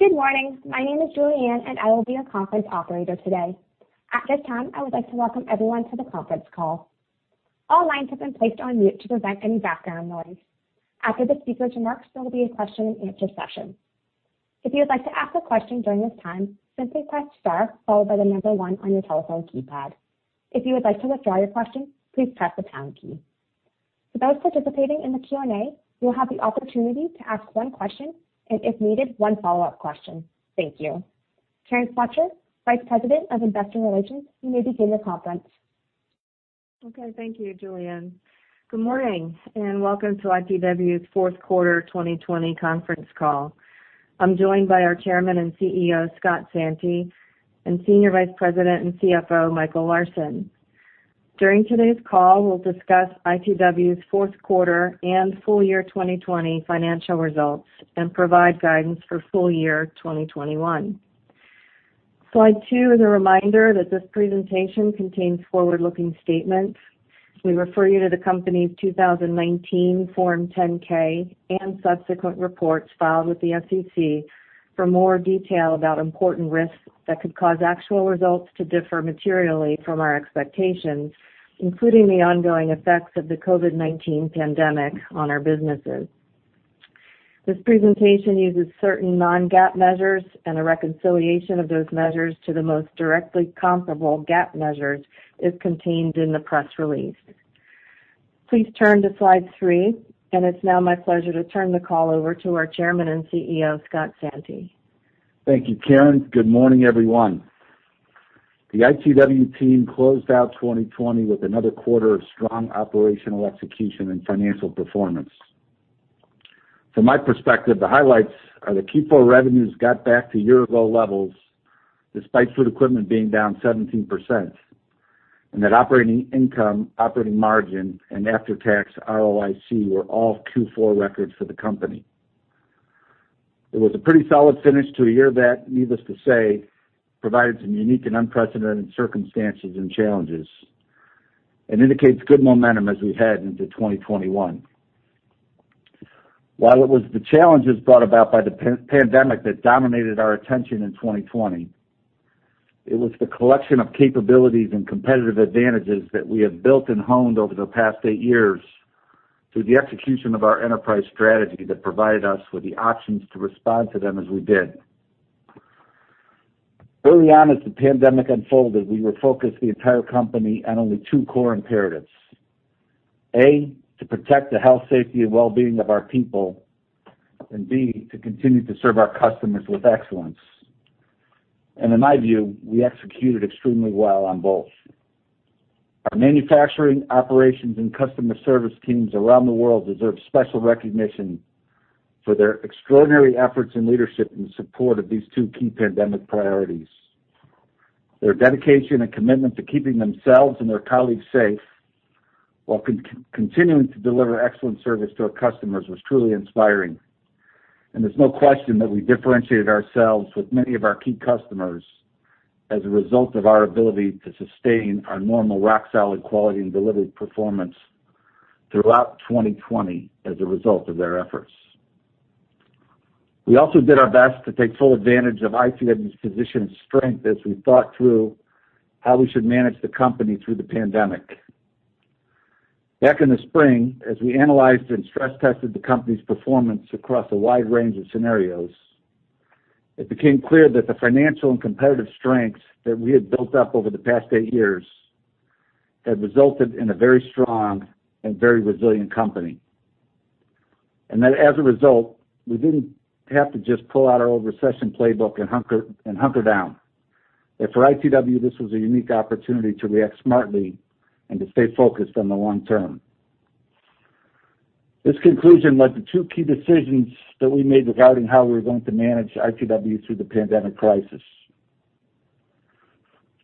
Good morning. My name is Julianne, and I will be your conference operator today. At this time, I would like to welcome everyone to the conference call. All lines have been placed on mute to prevent any background noise. After the speaker's remarks, there will be a question-and-answer session. If you would like to ask a question during this time, simply press star followed by the number one on your telephone keypad. If you would like to withdraw your question, please press the pound key. For those participating in the Q&A, you will have the opportunity to ask one question and, if needed, one follow-up question. Thank you. Karen Fletcher, Vice President of Investor Relations, you may begin your conference. Okay. Thank you, Julian. Good morning and welcome to ITW's fourth quarter 2020 conference call. I'm joined by our Chairman and CEO, Scott Santi, and Senior Vice President and CFO, Michael Larsen. During today's call, we'll discuss ITW's fourth quarter and full year 2020 financial results and provide guidance for full year 2021. Slide two is a reminder that this presentation contains forward-looking statements. We refer you to the company's 2019 Form 10-K and subsequent reports filed with the SEC for more detail about important risks that could cause actual results to differ materially from our expectations, including the ongoing effects of the COVID-19 pandemic on our businesses. This presentation uses certain non-GAAP measures, and a reconciliation of those measures to the most directly comparable GAAP measures is contained in the press release. Please turn to slide three, and it's now my pleasure to turn the call over to our Chairman and CEO, Scott Santi. Thank you, Karen. Good morning, everyone. The ITW team closed out 2020 with another quarter of strong operational execution and financial performance. From my perspective, the highlights are that Q4 revenues got back to year-ago levels despite food equipment being down 17%, and that operating income, operating margin, and after-tax ROIC were all Q4 records for the company. It was a pretty solid finish to a year that, needless to say, provided some unique and unprecedented circumstances and challenges and indicates good momentum as we head into 2021. While it was the challenges brought about by the pandemic that dominated our attention in 2020, it was the collection of capabilities and competitive advantages that we have built and honed over the past eight years through the execution of our enterprise strategy that provided us with the options to respond to them as we did. Early on as the pandemic unfolded, we were focused the entire company on only two core imperatives: A, to protect the health, safety, and well-being of our people; and B, to continue to serve our customers with excellence. In my view, we executed extremely well on both. Our manufacturing, operations, and customer service teams around the world deserve special recognition for their extraordinary efforts and leadership in support of these two key pandemic priorities. Their dedication and commitment to keeping themselves and their colleagues safe while continuing to deliver excellent service to our customers was truly inspiring. There is no question that we differentiated ourselves with many of our key customers as a result of our ability to sustain our normal rock-solid quality and delivery performance throughout 2020 as a result of their efforts. We also did our best to take full advantage of ITW's position of strength as we thought through how we should manage the company through the pandemic. Back in the spring, as we analyzed and stress-tested the company's performance across a wide range of scenarios, it became clear that the financial and competitive strengths that we had built up over the past eight years had resulted in a very strong and very resilient company. That as a result, we did not have to just pull out our old recession playbook and hunker down. For ITW, this was a unique opportunity to react smartly and to stay focused on the long term. This conclusion led to two key decisions that we made regarding how we were going to manage ITW through the pandemic crisis.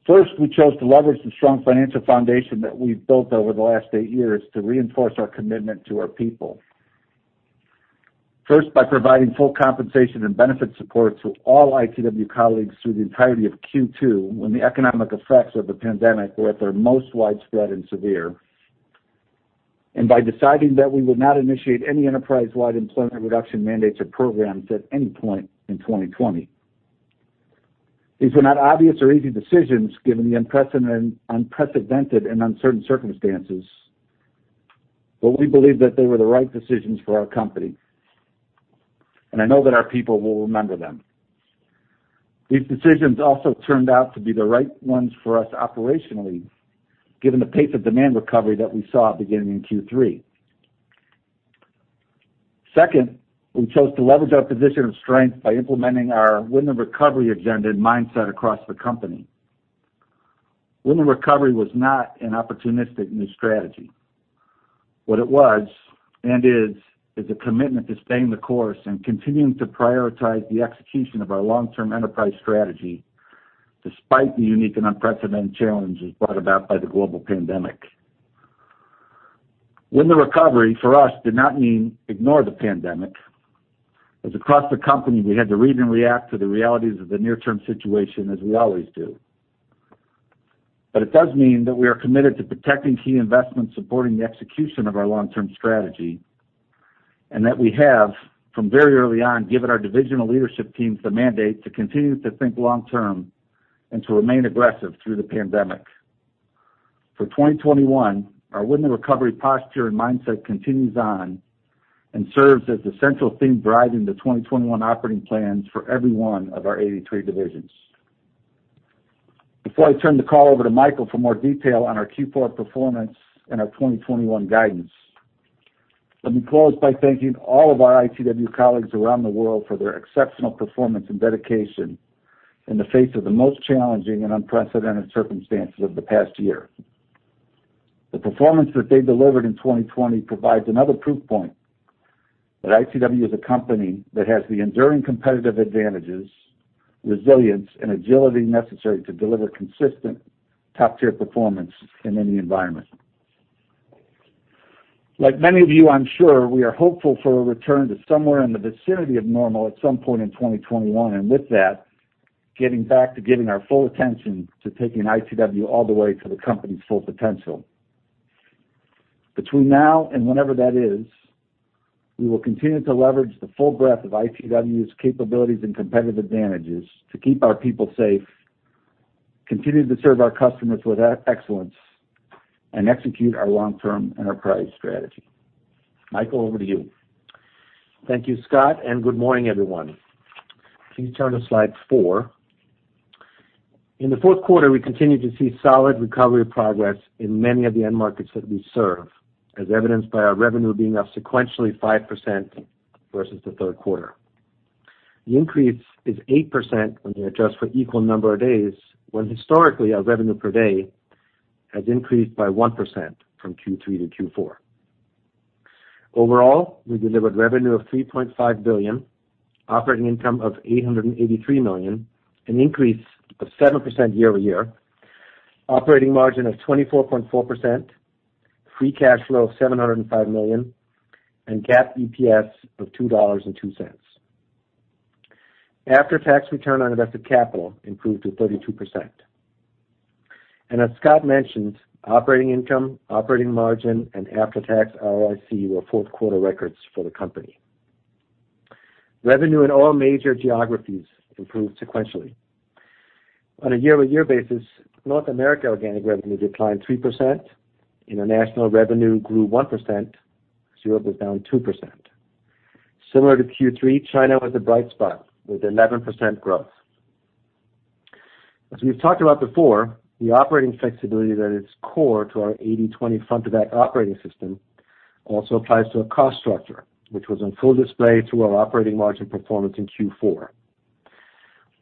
First, we chose to leverage the strong financial foundation that we've built over the last eight years to reinforce our commitment to our people. First, by providing full compensation and benefit support to all ITW colleagues through the entirety of Q2 when the economic effects of the pandemic were at their most widespread and severe, and by deciding that we would not initiate any enterprise-wide employment reduction mandates or programs at any point in 2020. These were not obvious or easy decisions given the unprecedented and uncertain circumstances, but we believe that they were the right decisions for our company. I know that our people will remember them. These decisions also turned out to be the right ones for us operationally given the pace of demand recovery that we saw beginning in Q3. Second, we chose to leverage our position of strength by implementing our win-and-recovery agenda and mindset across the company. Win-and-recovery was not an opportunistic new strategy. What it was and is, is a commitment to staying the course and continuing to prioritize the execution of our long-term enterprise strategy despite the unique and unprecedented challenges brought about by the global pandemic. Win-and-recovery for us did not mean ignore the pandemic, as across the company we had to read and react to the realities of the near-term situation as we always do. It does mean that we are committed to protecting key investments supporting the execution of our long-term strategy and that we have, from very early on, given our divisional leadership teams the mandate to continue to think long-term and to remain aggressive through the pandemic. For 2021, our win-and-recovery posture and mindset continues on and serves as the central theme driving the 2021 operating plans for every one of our 83 divisions. Before I turn the call over to Michael for more detail on our Q4 performance and our 2021 guidance, let me close by thanking all of our ITW colleagues around the world for their exceptional performance and dedication in the face of the most challenging and unprecedented circumstances of the past year. The performance that they delivered in 2020 provides another proof point that ITW is a company that has the enduring competitive advantages, resilience, and agility necessary to deliver consistent top-tier performance in any environment. Like many of you, I'm sure we are hopeful for a return to somewhere in the vicinity of normal at some point in 2021, and with that, getting back to giving our full attention to taking ITW all the way to the company's full potential. Between now and whenever that is, we will continue to leverage the full breadth of ITW's capabilities and competitive advantages to keep our people safe, continue to serve our customers with excellence, and execute our long-term enterprise strategy. Michael, over to you. Thank you, Scott, and good morning, everyone. Please turn to slide four. In the fourth quarter, we continue to see solid recovery progress in many of the end markets that we serve, as evidenced by our revenue being up sequentially 5% versus the third quarter. The increase is 8% when you adjust for equal number of days, when historically our revenue per day has increased by 1% from Q3 to Q4. Overall, we delivered revenue of $3.5 billion, operating income of $883 million, an increase of 7% year-over-year, operating margin of 24.4%, free cash flow of $705 million, and GAAP EPS of $2.02. After-tax return on invested capital improved to 32%. As Scott mentioned, operating income, operating margin, and after-tax ROIC were fourth quarter records for the company. Revenue in all major geographies improved sequentially. On a year-over-year basis, North America organic revenue declined 3%, international revenue grew 1%, and Europe was down 2%. Similar to Q3, China was the bright spot with 11% growth. As we've talked about before, the operating flexibility that is core to our 80/20 front-to-back operating system also applies to our cost structure, which was on full display through our operating margin performance in Q4.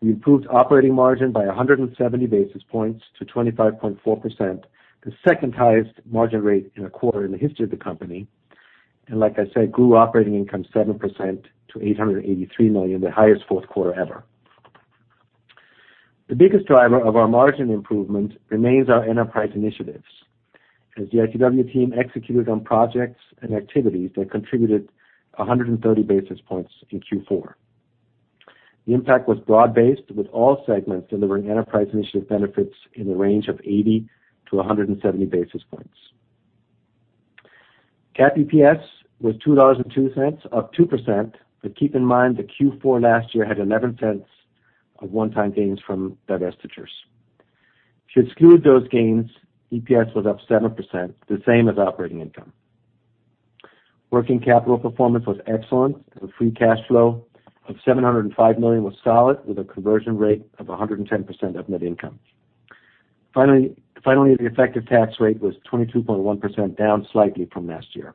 We improved operating margin by 170 basis points to 25.4%, the second highest margin rate in a quarter in the history of the company, and like I said, grew operating income 7% to $883 million, the highest fourth quarter ever. The biggest driver of our margin improvement remains our enterprise initiatives, as the ITW team executed on projects and activities that contributed 130 basis points in Q4. The impact was broad-based, with all segments delivering enterprise initiative benefits in the range of 80 basis points- 170 basis points. GAAP EPS was $2.02, up 2%, but keep in mind that Q4 last year had $0.11 of one-time gains from divestitures. To exclude those gains, EPS was up 7%, the same as operating income. Working capital performance was excellent, and free cash flow of $705 million was solid with a conversion rate of 110% of net income. Finally, the effective tax rate was 22.1%, down slightly from last year.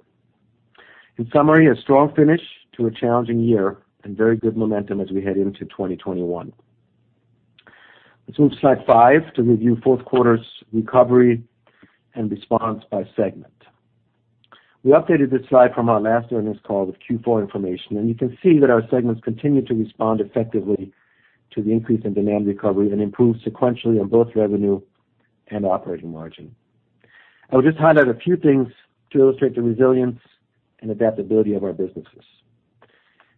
In summary, a strong finish to a challenging year and very good momentum as we head into 2021. Let's move to slide five to review fourth quarter's recovery and response by segment. We updated this slide from our last earnings call with Q4 information, and you can see that our segments continue to respond effectively to the increase in demand recovery and improved sequentially on both revenue and operating margin. I would just highlight a few things to illustrate the resilience and adaptability of our businesses.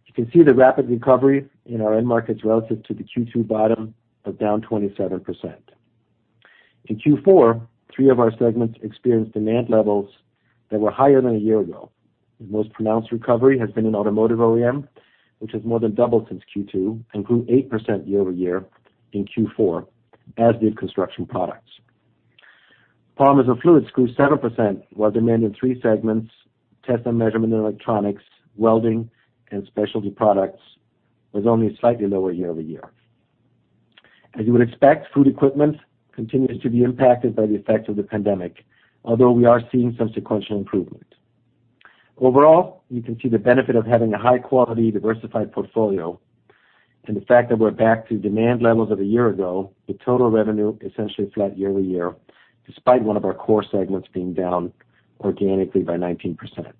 You can see the rapid recovery in our end markets relative to the Q2 bottom of down 27%. In Q4, three of our segments experienced demand levels that were higher than a year ago. The most pronounced recovery has been in automotive OEM, which has more than doubled since Q2 and grew 8% year-over-year in Q4, as did construction products. Polymers and fluids grew 7%, while demand in three segments, test and measurement and electronics, welding, and specialty products, was only slightly lower year-over-year. As you would expect, food equipment continues to be impacted by the effects of the pandemic, although we are seeing some sequential improvement. Overall, you can see the benefit of having a high-quality, diversified portfolio and the fact that we're back to demand levels of a year ago, with total revenue essentially flat year-over-year, despite one of our core segments being down organically by 19%.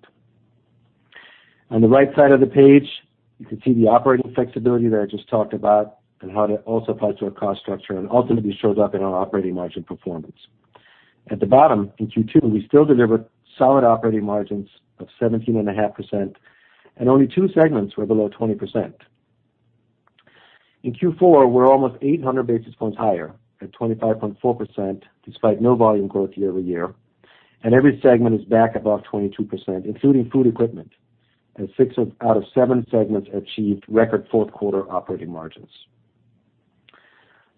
On the right side of the page, you can see the operating flexibility that I just talked about and how that also applies to our cost structure and ultimately shows up in our operating margin performance. At the bottom, in Q2, we still delivered solid operating margins of 17.5%, and only two segments were below 20%. In Q4, we're almost 800 basis points higher at 25.4% despite no volume growth year-over-year, and every segment is back above 22%, including food equipment, as six out of seven segments achieved record fourth quarter operating margins.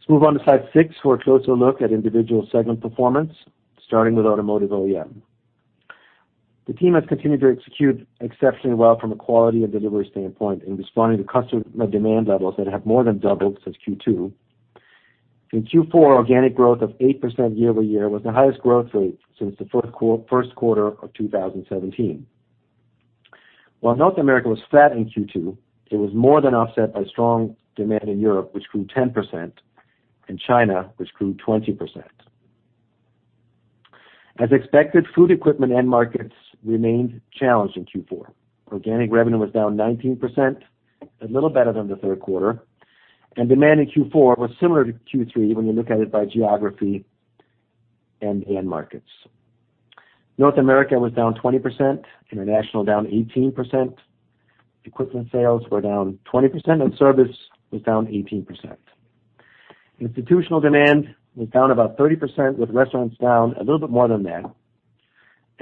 Let's move on to slide six for a closer look at individual segment performance, starting with automotive OEM. The team has continued to execute exceptionally well from a quality and delivery standpoint in responding to customer demand levels that have more than doubled since Q2. In Q4, organic growth of 8% year-over-year was the highest growth rate since the first quarter of 2017. While North America was flat in Q2, it was more than offset by strong demand in Europe, which grew 10%, and China, which grew 20%. As expected, food equipment end markets remained challenged in Q4. Organic revenue was down 19%, a little better than the third quarter, and demand in Q4 was similar to Q3 when you look at it by geography and end markets. North America was down 20%, international down 18%, equipment sales were down 20%, and service was down 18%. Institutional demand was down about 30%, with restaurants down a little bit more than that.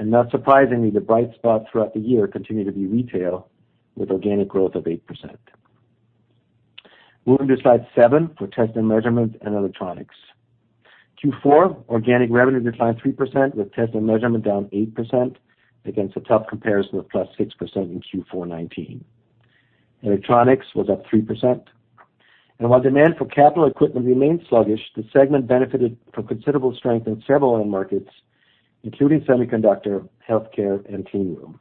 Not surprisingly, the bright spot throughout the year continued to be retail with organic growth of 8%. Moving to slide seven for test and measurement and electronics. Q4, organic revenue declined 3%, with test and measurement down 8% against a tough comparison of plus 6% in Q4 2019. Electronics was up 3%. While demand for capital equipment remained sluggish, the segment benefited from considerable strength in several end markets, including semiconductor, healthcare, and cleanroom.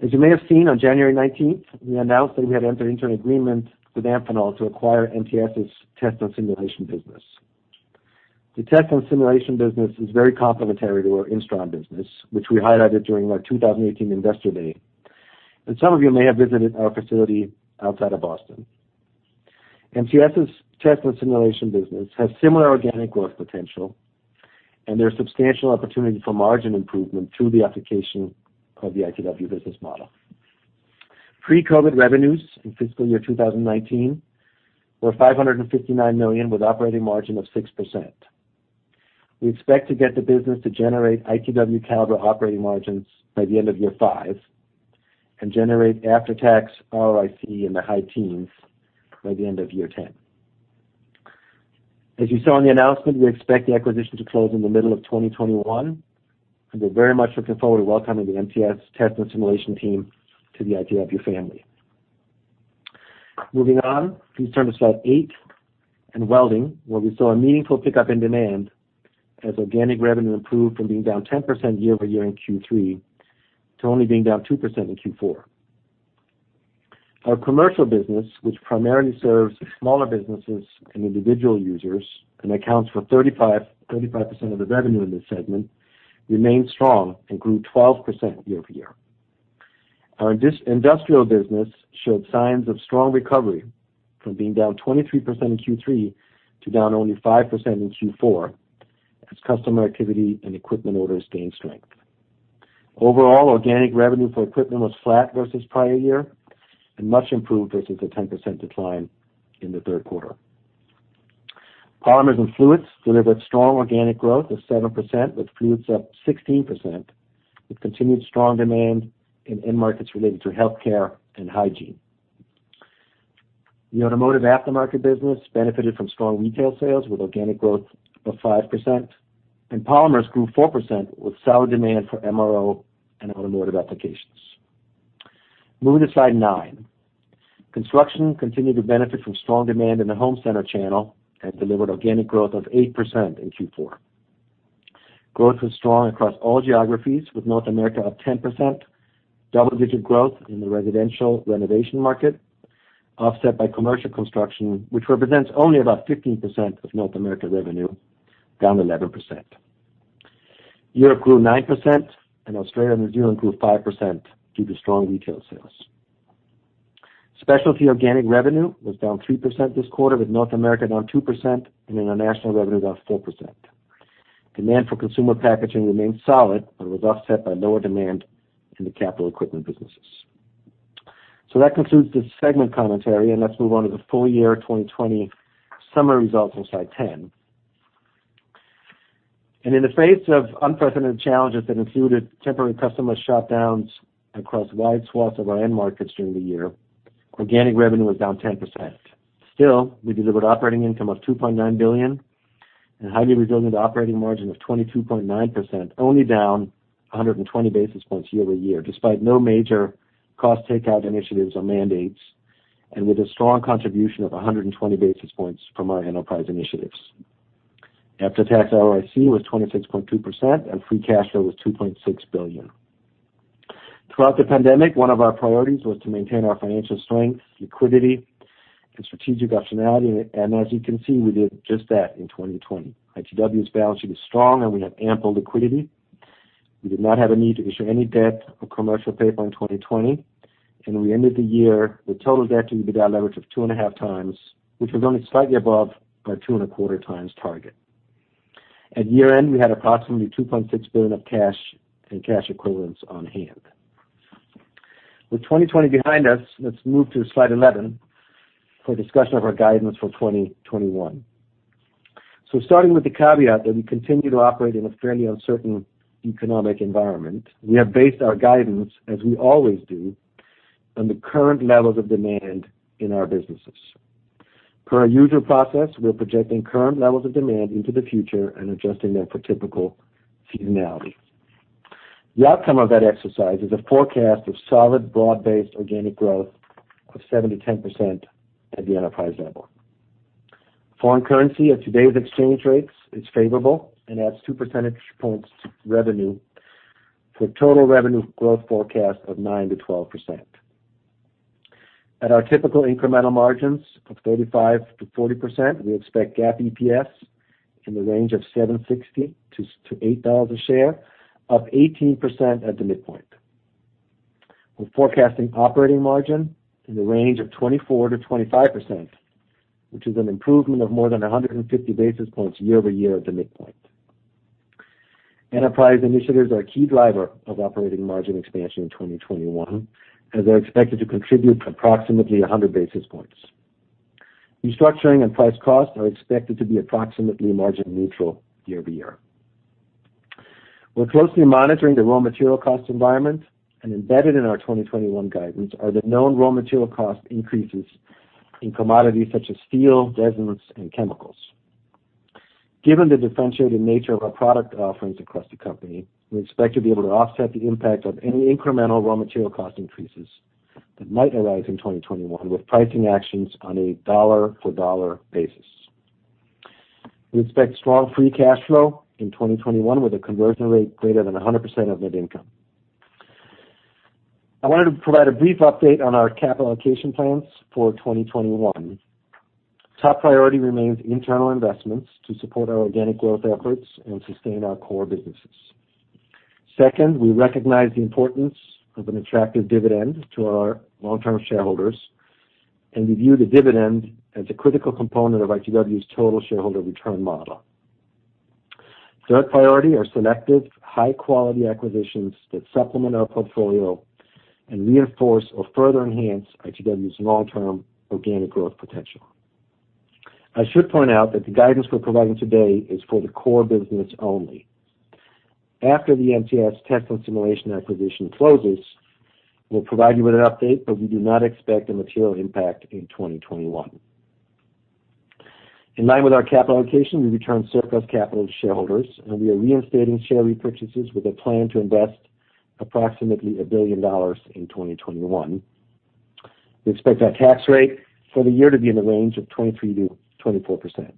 As you may have seen, on January 19th, we announced that we had entered into an agreement with Amphenol to acquire MTS's test and simulation business. The test and simulation business is very complementary to our Instron business, which we highlighted during our 2018 investor day. Some of you may have visited our facility outside of Boston. MTS's test and simulation business has similar organic growth potential, and there is substantial opportunity for margin improvement through the application of the ITW business model. Pre-COVID revenues in fiscal year 2019 were $559 million, with operating margin of 6%. We expect to get the business to generate ITW-caliber operating margins by the end of year five and generate after-tax ROIC in the high teens by the end of year 10. As you saw in the announcement, we expect the acquisition to close in the middle of 2021, and we're very much looking forward to welcoming the MTS test and simulation team to the ITW family. Moving on, please turn to slide eight and welding, where we saw a meaningful pickup in demand as organic revenue improved from being down 10% year-over-year in Q3 to only being down 2% in Q4. Our commercial business, which primarily serves smaller businesses and individual users and accounts for 35% of the revenue in this segment, remained strong and grew 12% year-over-year. Our industrial business showed signs of strong recovery from being down 23% in Q3 to down only 5% in Q4 as customer activity and equipment orders gained strength. Overall, organic revenue for equipment was flat versus prior year and much improved versus the 10% decline in the third quarter. Polymers and fluids delivered strong organic growth of 7%, with fluids up 16%, with continued strong demand in end markets related to healthcare and hygiene. The automotive aftermarket business benefited from strong retail sales with organic growth of 5%, and polymers grew 4% with solid demand for MRO and automotive applications. Moving to slide nine, construction continued to benefit from strong demand in the home center channel and delivered organic growth of 8% in Q4. Growth was strong across all geographies, with North America up 10%, double-digit growth in the residential renovation market, offset by commercial construction, which represents only about 15% of North America revenue, down 11%. Europe grew 9%, and Australia and New Zealand grew 5% due to strong retail sales. Specialty organic revenue was down 3% this quarter, with North America down 2% and international revenue down 4%. Demand for consumer packaging remained solid, but was offset by lower demand in the capital equipment businesses. That concludes the segment commentary, and let's move on to the full year 2020 summary results from slide 10. In the face of unprecedented challenges that included temporary customer shutdowns across wide swaths of our end markets during the year, organic revenue was down 10%. Still, we delivered operating income of $2.9 billion and highly resilient operating margin of 22.9%, only down 120 basis points year-over-year, despite no major cost takeout initiatives or mandates, and with a strong contribution of 120 basis points from our enterprise initiatives. After-tax ROIC was 26.2%, and free cash flow was $2.6 billion. Throughout the pandemic, one of our priorities was to maintain our financial strength, liquidity, and strategic optionality, and as you can see, we did just that in 2020. ITW's balance sheet is strong, and we have ample liquidity. We did not have a need to issue any debt or commercial paper in 2020, and we ended the year with total debt-to-EBITDA leverage of two and a half times, which was only slightly above our two and a quarter times target. At year end, we had approximately $2.6 billion of cash and cash equivalents on hand. With 2020 behind us, let's move to slide 11 for discussion of our guidance for 2021. Starting with the caveat that we continue to operate in a fairly uncertain economic environment, we have based our guidance, as we always do, on the current levels of demand in our businesses. Per our usual process, we're projecting current levels of demand into the future and adjusting them for typical seasonality. The outcome of that exercise is a forecast of solid, broad-based organic growth of 7-10% at the enterprise level. Foreign currency at today's exchange rates is favorable and adds two percentage points to revenue for a total revenue growth forecast of 9%-12%. At our typical incremental margins of 35%-40%, we expect GAAP EPS in the range of $7.60-$8 a share, up 18% at the midpoint. We're forecasting operating margin in the range of 24%-25%, which is an improvement of more than 150 basis points year-over-year at the midpoint. Enterprise initiatives are a key driver of operating margin expansion in 2021, as they're expected to contribute approximately 100 basis points. Restructuring and price costs are expected to be approximately margin neutral year-over-year. We're closely monitoring the raw material cost environment, and embedded in our 2021 guidance are the known raw material cost increases in commodities such as steel, resins, and chemicals. Given the differentiated nature of our product offerings across the company, we expect to be able to offset the impact of any incremental raw material cost increases that might arise in 2021 with pricing actions on a dollar-for-dollar basis. We expect strong free cash flow in 2021 with a conversion rate greater than 100% of net income. I wanted to provide a brief update on our capital allocation plans for 2021. Top priority remains internal investments to support our organic growth efforts and sustain our core businesses. Second, we recognize the importance of an attractive dividend to our long-term shareholders and review the dividend as a critical component of ITW's total shareholder return model. Third priority are selective, high-quality acquisitions that supplement our portfolio and reinforce or further enhance ITW's long-term organic growth potential. I should point out that the guidance we're providing today is for the core business only. After the MTS test and simulation acquisition closes, we'll provide you with an update, but we do not expect a material impact in 2021. In line with our capital allocation, we return surplus capital to shareholders, and we are reinstating share repurchases with a plan to invest approximately $1 billion in 2021. We expect our tax rate for the year to be in the range of 23%-24%.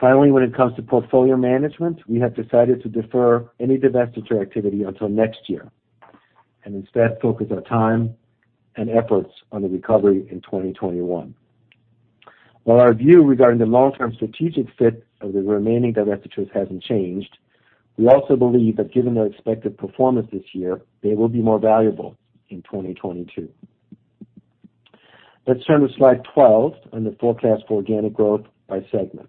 Finally, when it comes to portfolio management, we have decided to defer any divestiture activity until next year and instead focus our time and efforts on the recovery in 2021. While our view regarding the long-term strategic fit of the remaining divestitures has not changed, we also believe that given their expected performance this year, they will be more valuable in 2022. Let's turn to slide 12 on the forecast for organic growth by segment.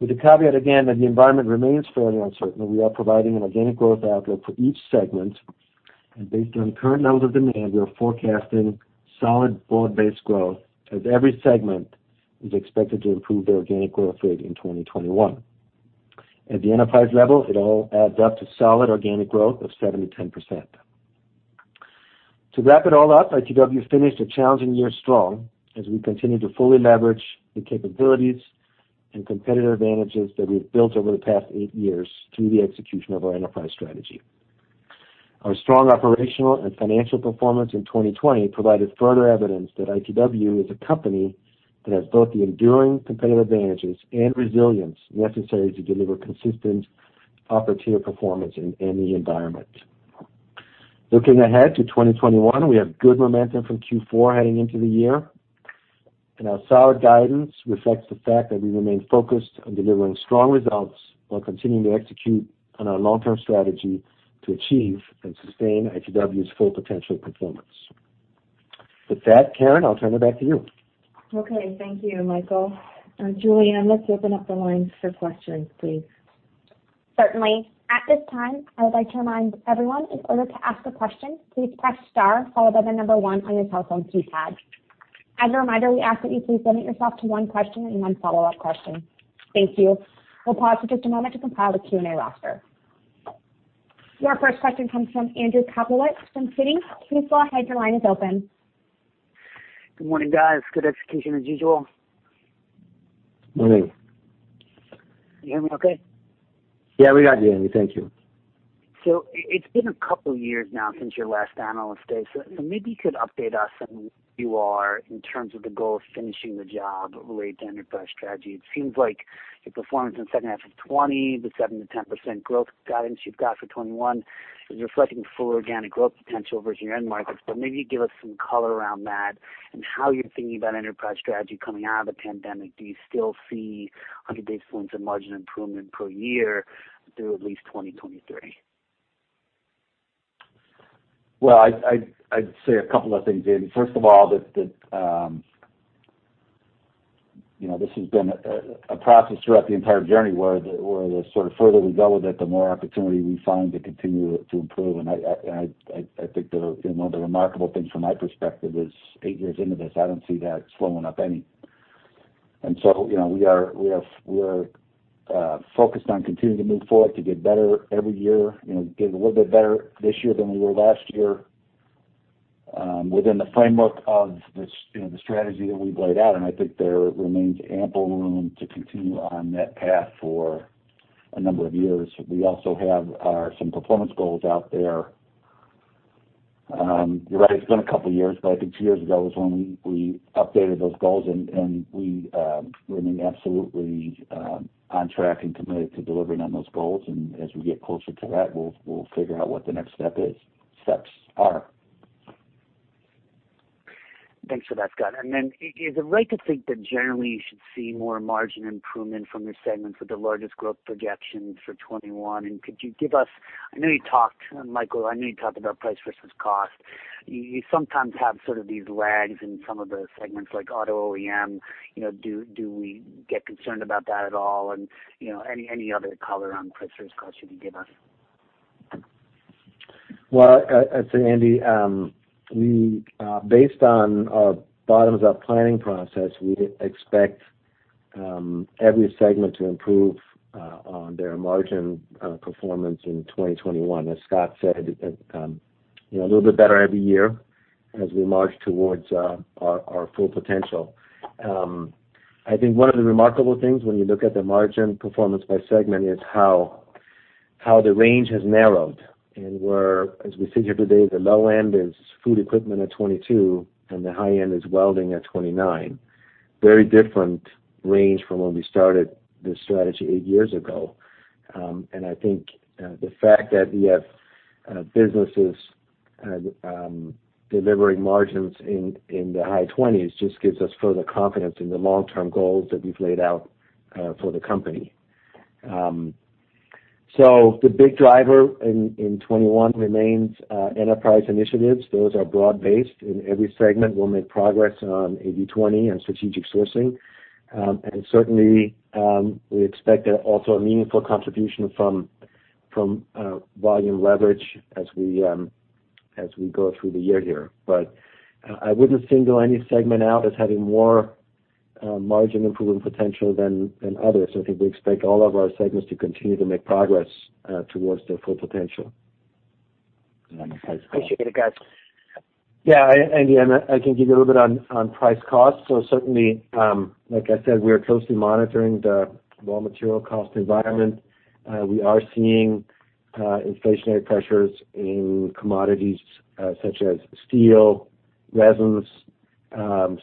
With the caveat again that the environment remains fairly uncertain, we are providing an organic growth outlook for each segment, and based on current levels of demand, we are forecasting solid, broad-based growth as every segment is expected to improve their organic growth rate in 2021. At the enterprise level, it all adds up to solid organic growth of 7%-10%. To wrap it all up, ITW finished a challenging year strong as we continue to fully leverage the capabilities and competitive advantages that we have built over the past eight years through the execution of our enterprise strategy. Our strong operational and financial performance in 2020 provided further evidence that ITW is a company that has both the enduring competitive advantages and resilience necessary to deliver consistent upper-tier performance in any environment. Looking ahead to 2021, we have good momentum from Q4 heading into the year, and our solid guidance reflects the fact that we remain focused on delivering strong results while continuing to execute on our long-term strategy to achieve and sustain ITW's full potential performance. With that, Karen, I'll turn it back to you. Okay. Thank you, Michael. And Julian, let's open up the lines for questions, please. Certainly. At this time, I would like to remind everyone in order to ask a question, please press star followed by the number one on your cell phone keypad. As a reminder, we ask that you please limit yourself to one question and one follow-up question. Thank you. We'll pause for just a moment to compile the Q&A roster. Your first question comes from Andrew Kaplowitz from Citi. Please go ahead. Your line is open. Good morning, guys. Good execution as usual. Morning. You hear me okay? Yeah, we got you, Andy. Thank you. It has been a couple of years now since your last analyst day. Maybe you could update us on where you are in terms of the goal of finishing the job related to enterprise strategy. It seems like your performance in the second half of 2020, the 7%-10% growth guidance you have for 2021, is reflecting full organic growth potential versus your end markets. Maybe you give us some color around that and how you're thinking about enterprise strategy coming out of the pandemic. Do you still see 100 basis points of margin improvement per year through at least 2023? I'd say a couple of things, Andy. First of all, this has been a process throughout the entire journey where the sort of further we go with it, the more opportunity we find to continue to improve. I think one of the remarkable things from my perspective is eight years into this, I don't see that slowing up any. We are focused on continuing to move forward to get better every year, get a little bit better this year than we were last year within the framework of the strategy that we've laid out. I think there remains ample room to continue on that path for a number of years. We also have some performance goals out there. You're right, it's been a couple of years, but I think two years ago was when we updated those goals, and we remain absolutely on track and committed to delivering on those goals. As we get closer to that, we'll figure out what the next steps are. Thanks for that, Scott. Is it right to think that generally you should see more margin improvement from your segments with the largest growth projections for 2021? Could you give us—I know you talked, Michael, I know you talked about price versus cost. You sometimes have sort of these lags in some of the segments like auto, OEM. Do we get concerned about that at all? Any other color on price versus cost you can give us? I’d say, Andy, based on our bottoms-up planning process, we expect every segment to improve on their margin performance in 2021. As Scott said, a little bit better every year as we march towards our full potential. I think one of the remarkable things when you look at the margin performance by segment is how the range has narrowed. As we sit here today, the low end is food equipment at 22, and the high end is welding at 29. Very different range from when we started this strategy eight years ago. I think the fact that we have businesses delivering margins in the high 20s just gives us further confidence in the long-term goals that we’ve laid out for the company. The big driver in 2021 remains enterprise initiatives. Those are broad-based. In every segment, we’ll make progress on 80/20 and strategic sourcing. Certainly, we expect also a meaningful contribution from volume leverage as we go through the year here. I would not single any segment out as having more margin improvement potential than others. I think we expect all of our segments to continue to make progress towards their full potential. Appreciate it, guys. Yeah, Andy, I can give you a little bit on price cost. Certainly, like I said, we are closely monitoring the raw material cost environment. We are seeing inflationary pressures in commodities such as steel, resins,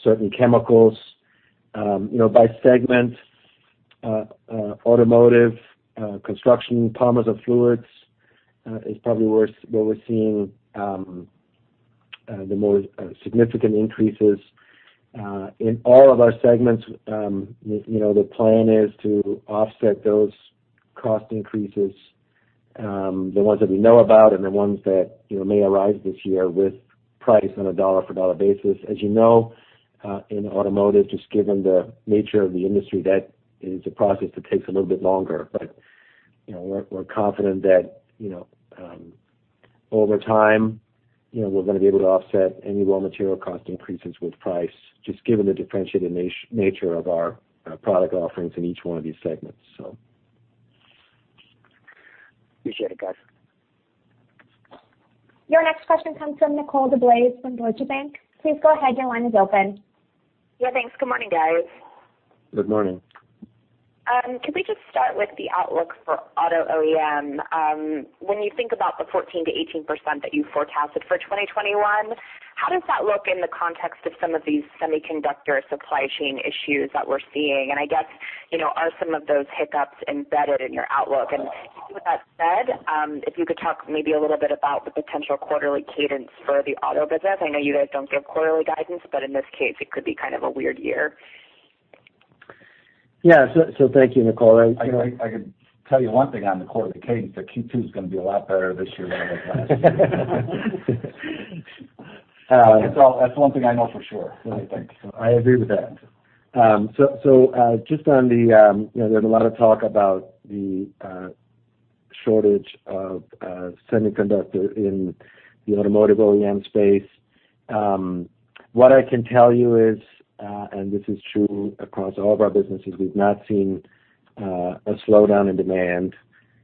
certain chemicals. By segment, automotive, construction, polymers and fluids is probably where we are seeing the more significant increases. In all of our segments, the plan is to offset those cost increases, the ones that we know about and the ones that may arise this year with price on a dollar-for-dollar basis. As you know, in automotive, just given the nature of the industry, that is a process that takes a little bit longer. We are confident that over time, we are going to be able to offset any raw material cost increases with price, just given the differentiated nature of our product offerings in each one of these segments. Appreciate it, guys. Your next question comes from Nicole DeBlase from Deutsche Bank. Please go ahead. Your line is open. Yeah, thanks. Good morning, guys. Good morning. Could we just start with the outlook for auto OEM? When you think about the 14%-18% that you forecasted for 2021, how does that look in the context of some of these semiconductor supply chain issues that we are seeing? I guess, are some of those hiccups embedded in your outlook? With that said, if you could talk maybe a little bit about the potential quarterly cadence for the auto business. I know you guys don't give quarterly guidance, but in this case, it could be kind of a weird year. Yeah, thank you, Nicole. I can tell you one thing on the quarterly cadence: Q2 is going to be a lot better this year than it was last year. That's one thing I know for sure, really, thanks. I agree with that. Just on the—there's a lot of talk about the shortage of semiconductor in the automotive OEM space. What I can tell you is, and this is true across all of our businesses, we've not seen a slowdown in demand,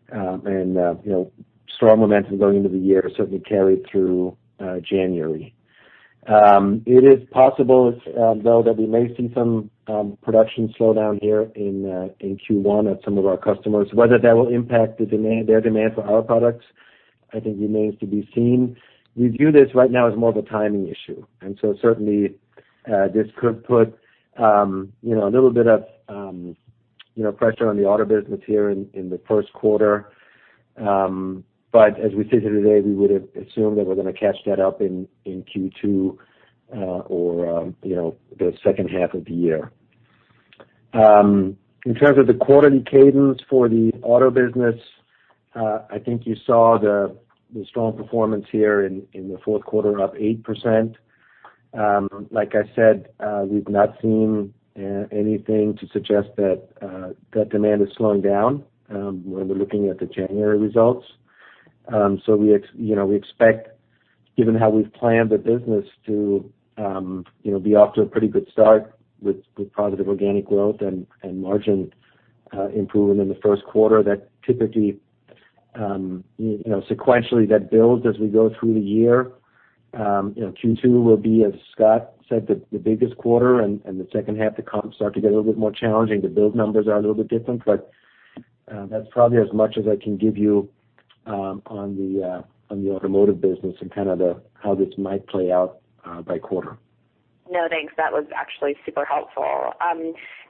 and strong momentum going into the year certainly carried through January. It is possible, though, that we may see some production slowdown here in Q1 at some of our customers. Whether that will impact their demand for our products, I think, remains to be seen. We view this right now as more of a timing issue. This could put a little bit of pressure on the auto business here in the first quarter. As we sit here today, we would assume that we're going to catch that up in Q2 or the second half of the year. In terms of the quarterly cadence for the auto business, I think you saw the strong performance here in the fourth quarter, up 8%. Like I said, we've not seen anything to suggest that demand is slowing down when we're looking at the January results. We expect, given how we've planned the business, to be off to a pretty good start with positive organic growth and margin improvement in the first quarter. That typically, sequentially, builds as we go through the year. Q2 will be, as Scott said, the biggest quarter, and the second half, the comps start to get a little bit more challenging. The build numbers are a little bit different. That is probably as much as I can give you on the automotive business and kind of how this might play out by quarter. No, thanks. That was actually super helpful.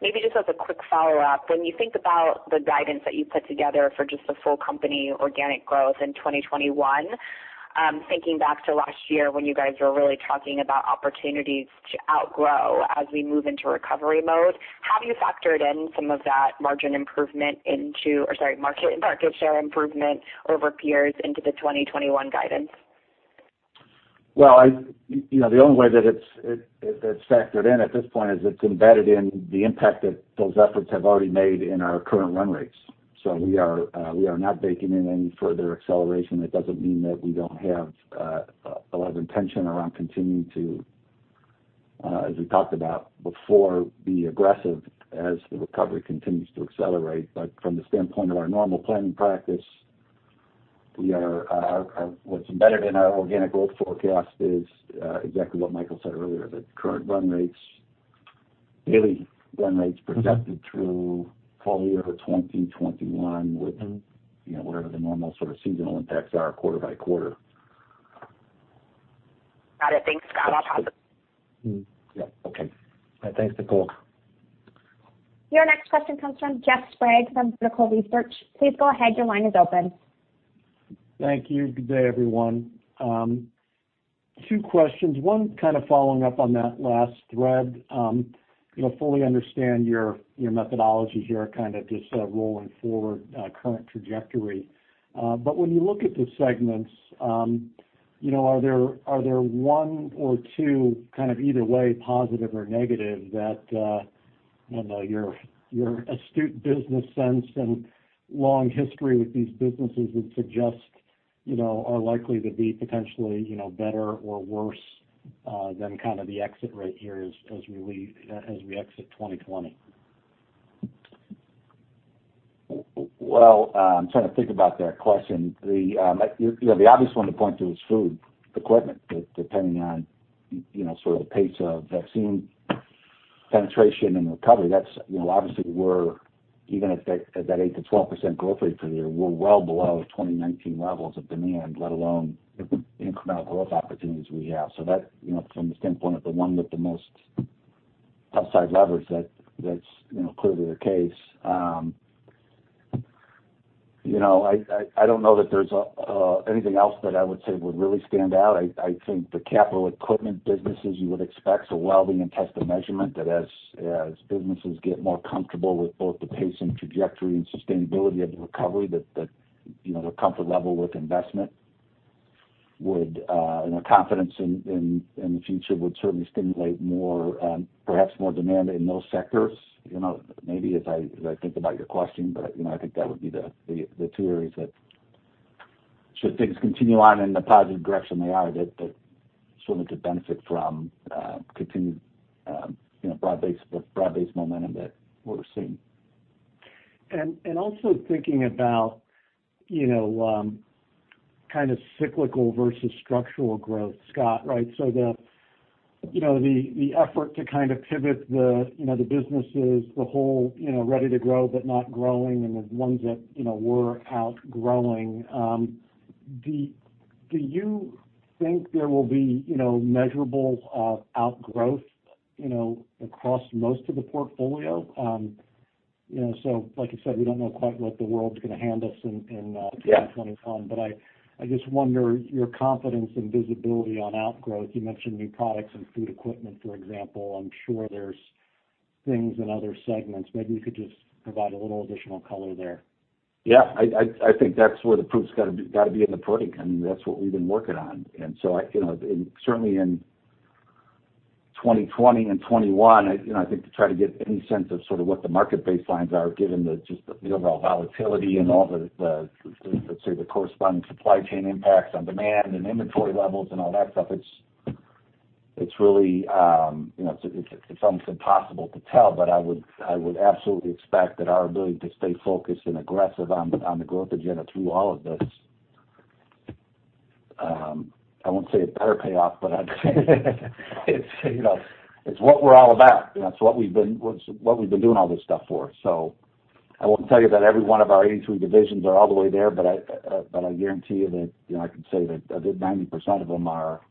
Maybe just as a quick follow-up, when you think about the guidance that you put together for just the full company organic growth in 2021, thinking back to last year when you guys were really talking about opportunities to outgrow as we move into recovery mode, how do you factor in some of that margin improvement into—or sorry, market share improvement over peers into the 2021 guidance? The only way that it's factored in at this point is it's embedded in the impact that those efforts have already made in our current run rates. We are not baking in any further acceleration. That does not mean that we do not have a lot of intention around continuing to, as we talked about before, be aggressive as the recovery continues to accelerate. From the standpoint of our normal planning practice, what's embedded in our organic growth forecast is exactly what Michael said earlier, that current run rates, daily run rates projected through full year 2021, with whatever the normal sort of seasonal impacts are quarter by quarter. Got it. Thanks, Scott. I'll pause it. Yeah. Okay. Thanks, Nicole. Your next question comes from Jeff Sprague from Vertical Research. Please go ahead. Your line is open. Thank you. Good day, everyone. Two questions. One kind of following up on that last thread. Fully understand your methodology here, kind of just rolling forward current trajectory. When you look at the segments, are there one or two kind of either way, positive or negative, that your astute business sense and long history with these businesses would suggest are likely to be potentially better or worse than kind of the exit rate here as we exit 2020? I'm trying to think about that question. The obvious one to point to is food equipment, depending on sort of the pace of vaccine penetration and recovery. Obviously, even at that 8%-12% growth rate for the year, we're well below 2019 levels of demand, let alone the incremental growth opportunities we have. From the standpoint of the one with the most upside leverage, that's clearly the case. I don't know that there's anything else that I would say would really stand out. I think the capital equipment businesses you would expect, so welding and test and measurement, that as businesses get more comfortable with both the pace and trajectory and sustainability of the recovery, that their comfort level with investment and their confidence in the future would certainly stimulate perhaps more demand in those sectors, maybe, as I think about your question. I think that would be the two areas that should things continue on in the positive direction they are, that certainly could benefit from continued broad-based momentum that we're seeing. Also thinking about kind of cyclical versus structural growth, Scott, right? The effort to kind of pivot the businesses, the whole ready to grow but not growing, and the ones that were outgrowing, do you think there will be measurable outgrowth across most of the portfolio? Like you said, we don't know quite what the world's going to hand us in 2021. I just wonder your confidence and visibility on outgrowth. You mentioned new products and food equipment, for example. I'm sure there's things in other segments. Maybe you could just provide a little additional color there. Yeah. I think that's where the proof's got to be in the pudding. I mean, that's what we've been working on. Certainly in 2020 and 2021, I think to try to get any sense of sort of what the market baselines are, given just the overall volatility and all the, let's say, the corresponding supply chain impacts on demand and inventory levels and all that stuff, it's really, it's almost impossible to tell, but I would absolutely expect that our ability to stay focused and aggressive on the growth agenda through all of this, I won't say it better payoff, but it's what we're all about. It's what we've been doing all this stuff for. I won't tell you that every one of our 83 divisions are all the way there, but I guarantee you that I can say that 90% of them are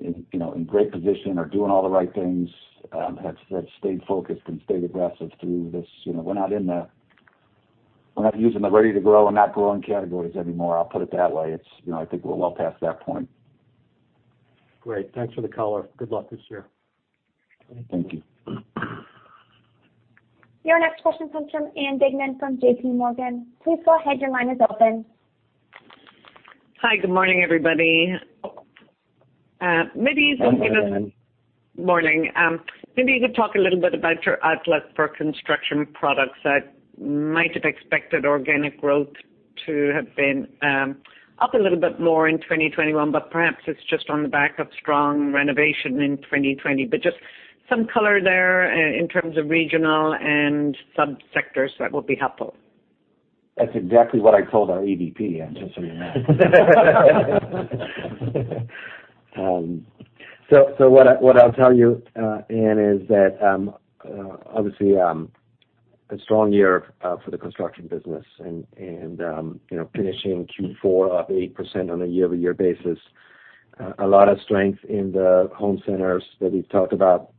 in great position, are doing all the right things, have stayed focused and stayed aggressive through this. We're not in the—we're not using the ready to grow and not growing categories anymore, I'll put it that way. I think we're well past that point. Great. Thanks for the color. Good luck this year. Thank you. Your next question comes from Ann Duignan from JPMorgan. Please go ahead. Your line is open. Hi. Good morning, everybody. Maybe you could give us—Morning. Morning. Maybe you could talk a little bit about your outlook for construction products. I might have expected organic growth to have been up a little bit more in 2021, but perhaps it's just on the back of strong renovation in 2020. Just some color there in terms of regional and subsectors, that would be helpful. That's exactly what I told our EVP, just so you know. What I'll tell you, Ann, is that obviously a strong year for the construction business and finishing Q4 up 8% on a year-over-year basis. A lot of strength in the home centers that we've talked about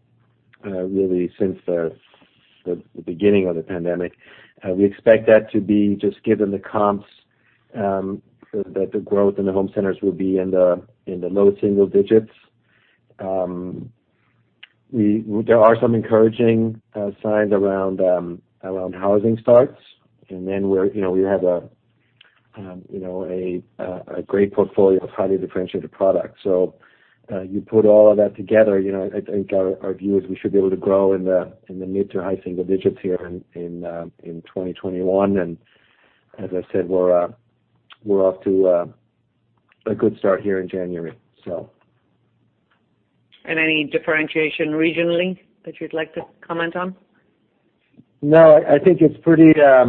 really since the beginning of the pandemic. We expect that to be, just given the comps, that the growth in the home centers will be in the low single digits. There are some encouraging signs around housing starts. We have a great portfolio of highly differentiated products. You put all of that together, I think our view is we should be able to grow in the mid to high single digits here in 2021. As I said, we're off to a good start here in January. Any differentiation regionally that you'd like to comment on? No, I think it's pretty—I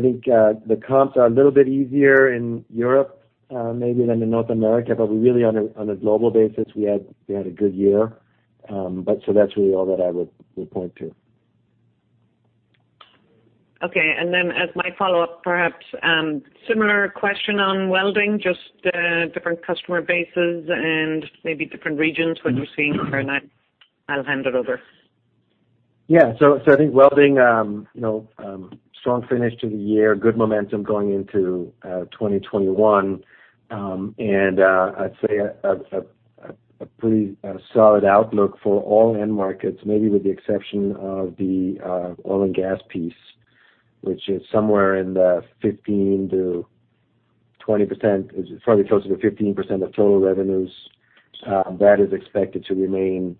think the comps are a little bit easier in Europe maybe than in North America. Really, on a global basis, we had a good year. That's really all that I would point to. Okay. As my follow-up, perhaps similar question on welding, just different customer bases and maybe different regions what you're seeing. I'll hand it over. Yeah. I think welding, strong finish to the year, good momentum going into 2021. I'd say a pretty solid outlook for all end markets, maybe with the exception of the oil and gas piece, which is somewhere in the 15%-20%, probably closer to 15% of total revenues. That is expected to remain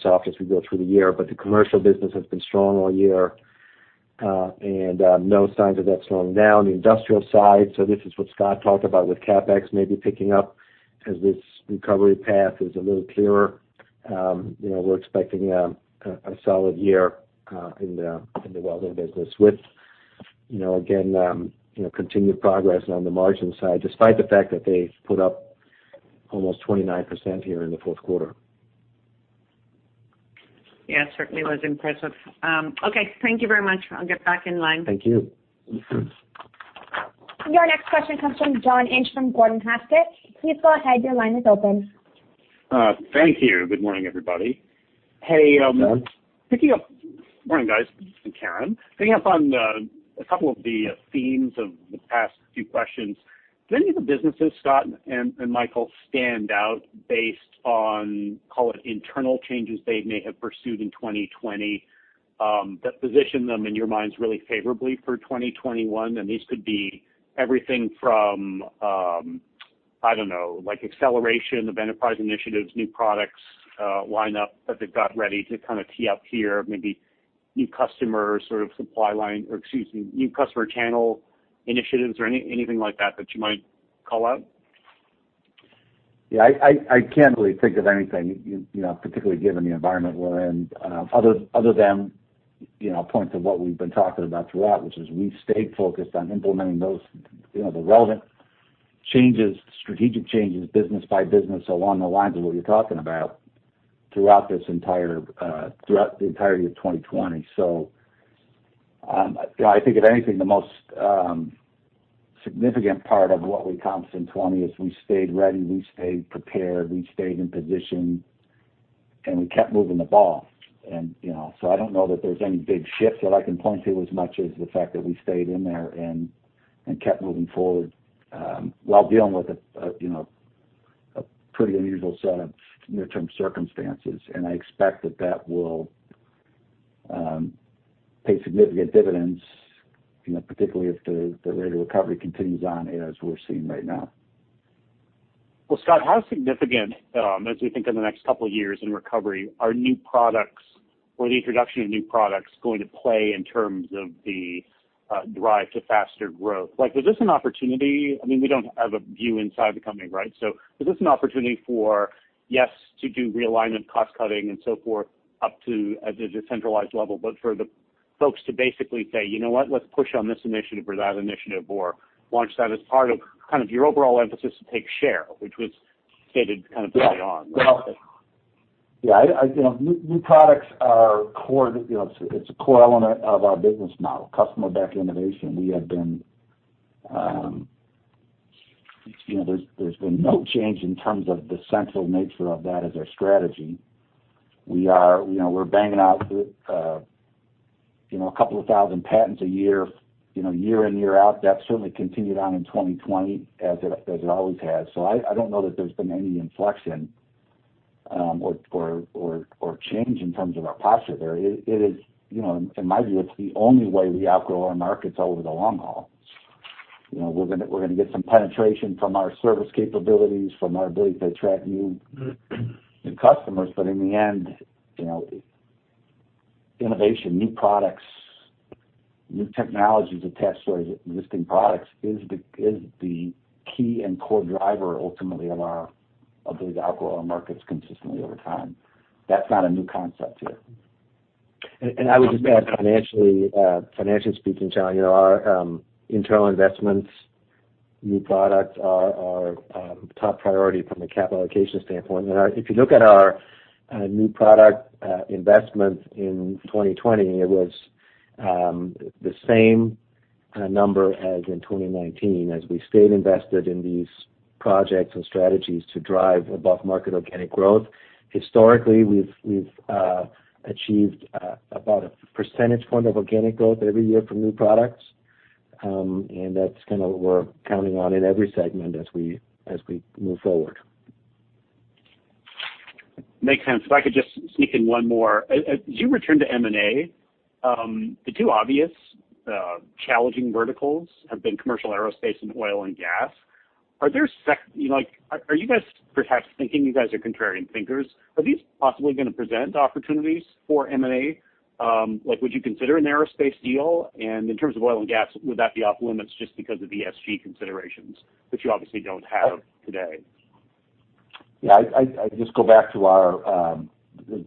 soft as we go through the year. The commercial business has been strong all year and no signs of that slowing down. The industrial side, so this is what Scott talked about with CapEx maybe picking up as this recovery path is a little clearer. We're expecting a solid year in the welding business with, again, continued progress on the margin side, despite the fact that they put up almost 29% here in the fourth quarter. Yeah, it certainly was impressive. Okay. Thank you very much. I'll get back in line. Thank you. Your next question comes from John Inch from Gordon Haskett. Please go ahead. Your line is open. Thank you. Good morning, everybody. Hey. Picking up—morning, guys. Hi Karen. Picking up on a couple of the themes of the past few questions. Do any of the businesses, Scott and Michael, stand out based on, call it, internal changes they may have pursued in 2020 that position them in your minds really favorably for 2021? These could be everything from, I don't know, acceleration of enterprise initiatives, new products lineup that they've got ready to kind of tee up here, maybe new customer sort of supply line or, excuse me, new customer channel initiatives or anything like that that you might call out? Yeah. I can't really think of anything, particularly given the environment we're in, other than points of what we've been talking about throughout, which is we stayed focused on implementing the relevant changes, strategic changes, business by business, along the lines of what you're talking about throughout the entirety of 2020. I think, if anything, the most significant part of what we comps in 2020 is we stayed ready, we stayed prepared, we stayed in position, and we kept moving the ball. I do not know that there is any big shifts that I can point to as much as the fact that we stayed in there and kept moving forward while dealing with a pretty unusual set of near-term circumstances. I expect that that will pay significant dividends, particularly if the rate of recovery continues on as we are seeing right now. Scott, how significant, as we think of the next couple of years in recovery, are new products or the introduction of new products going to play in terms of the drive to faster growth? Is this an opportunity? I mean, we do not have a view inside the company, right? Is this an opportunity for, yes, to do realignment, cost cutting, and so forth up to a decentralized level, but for the folks to basically say, "You know what? Let's push on this initiative or that initiative or launch that as part of kind of your overall emphasis to take share, which was stated kind of early on? Yeah. New products are core—it's a core element of our business model, customer-backed innovation. We have been—there's been no change in terms of the central nature of that as our strategy. We're banging out a couple of thousand patents a year, year in, year out. That's certainly continued on in 2020 as it always has. I don't know that there's been any inflection or change in terms of our posture there. In my view, it's the only way we outgrow our markets over the long haul. We're going to get some penetration from our service capabilities, from our ability to attract new customers. In the end, innovation, new products, new technologies attached to our existing products is the key and core driver, ultimately, of our ability to outgrow our markets consistently over time. That's not a new concept here. I would just add, financially speaking, our internal investments, new products are top priority from a capital allocation standpoint. If you look at our new product investments in 2020, it was the same number as in 2019 as we stayed invested in these projects and strategies to drive above-market organic growth. Historically, we've achieved about a percentage point of organic growth every year for new products. That's kind of what we're counting on in every segment as we move forward. Makes sense. If I could just sneak in one more. As you return to M&A, the two obvious challenging verticals have been commercial aerospace and oil and gas. Are you guys perhaps thinking you guys are contrarian thinkers? Are these possibly going to present opportunities for M&A? Would you consider an aerospace deal? In terms of oil and gas, would that be off-limits just because of ESG considerations, which you obviously do not have today? Yeah. I just go back to our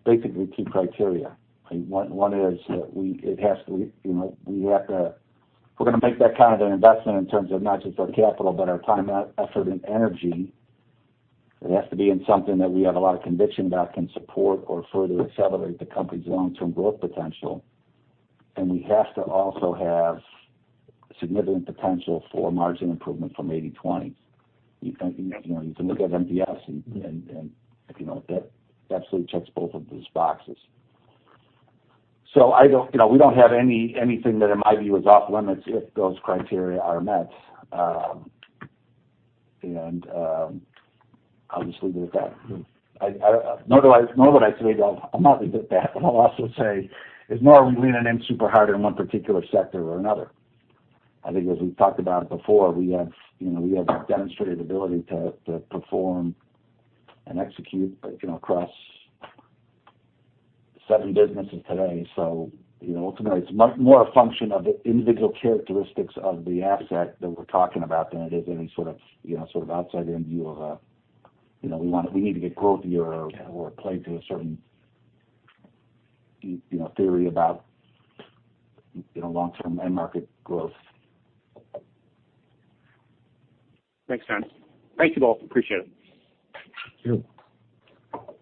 basically key criteria. One is that it has to—we have to—we are going to make that kind of an investment in terms of not just our capital, but our time, effort, and energy. It has to be in something that we have a lot of conviction about can support or further accelerate the company's long-term growth potential. We have to also have significant potential for margin improvement from 80/20. You can look at MDS, and that absolutely checks both of those boxes. We do not have anything that, in my view, is off-limits if those criteria are met. I'll just leave it at that. Nor would I say that I'm not leaving it at that. I'll also say, nor are we leaning in super hard on one particular sector or another. I think, as we've talked about before, we have demonstrated ability to perform and execute across seven businesses today. Ultimately, it is more a function of the individual characteristics of the asset that we are talking about than it is any sort of outside-in view of a, "We need to get growth here," or a play to a certain theory about long-term end market growth. Makes sense. Thank you both. Appreciate it. You too.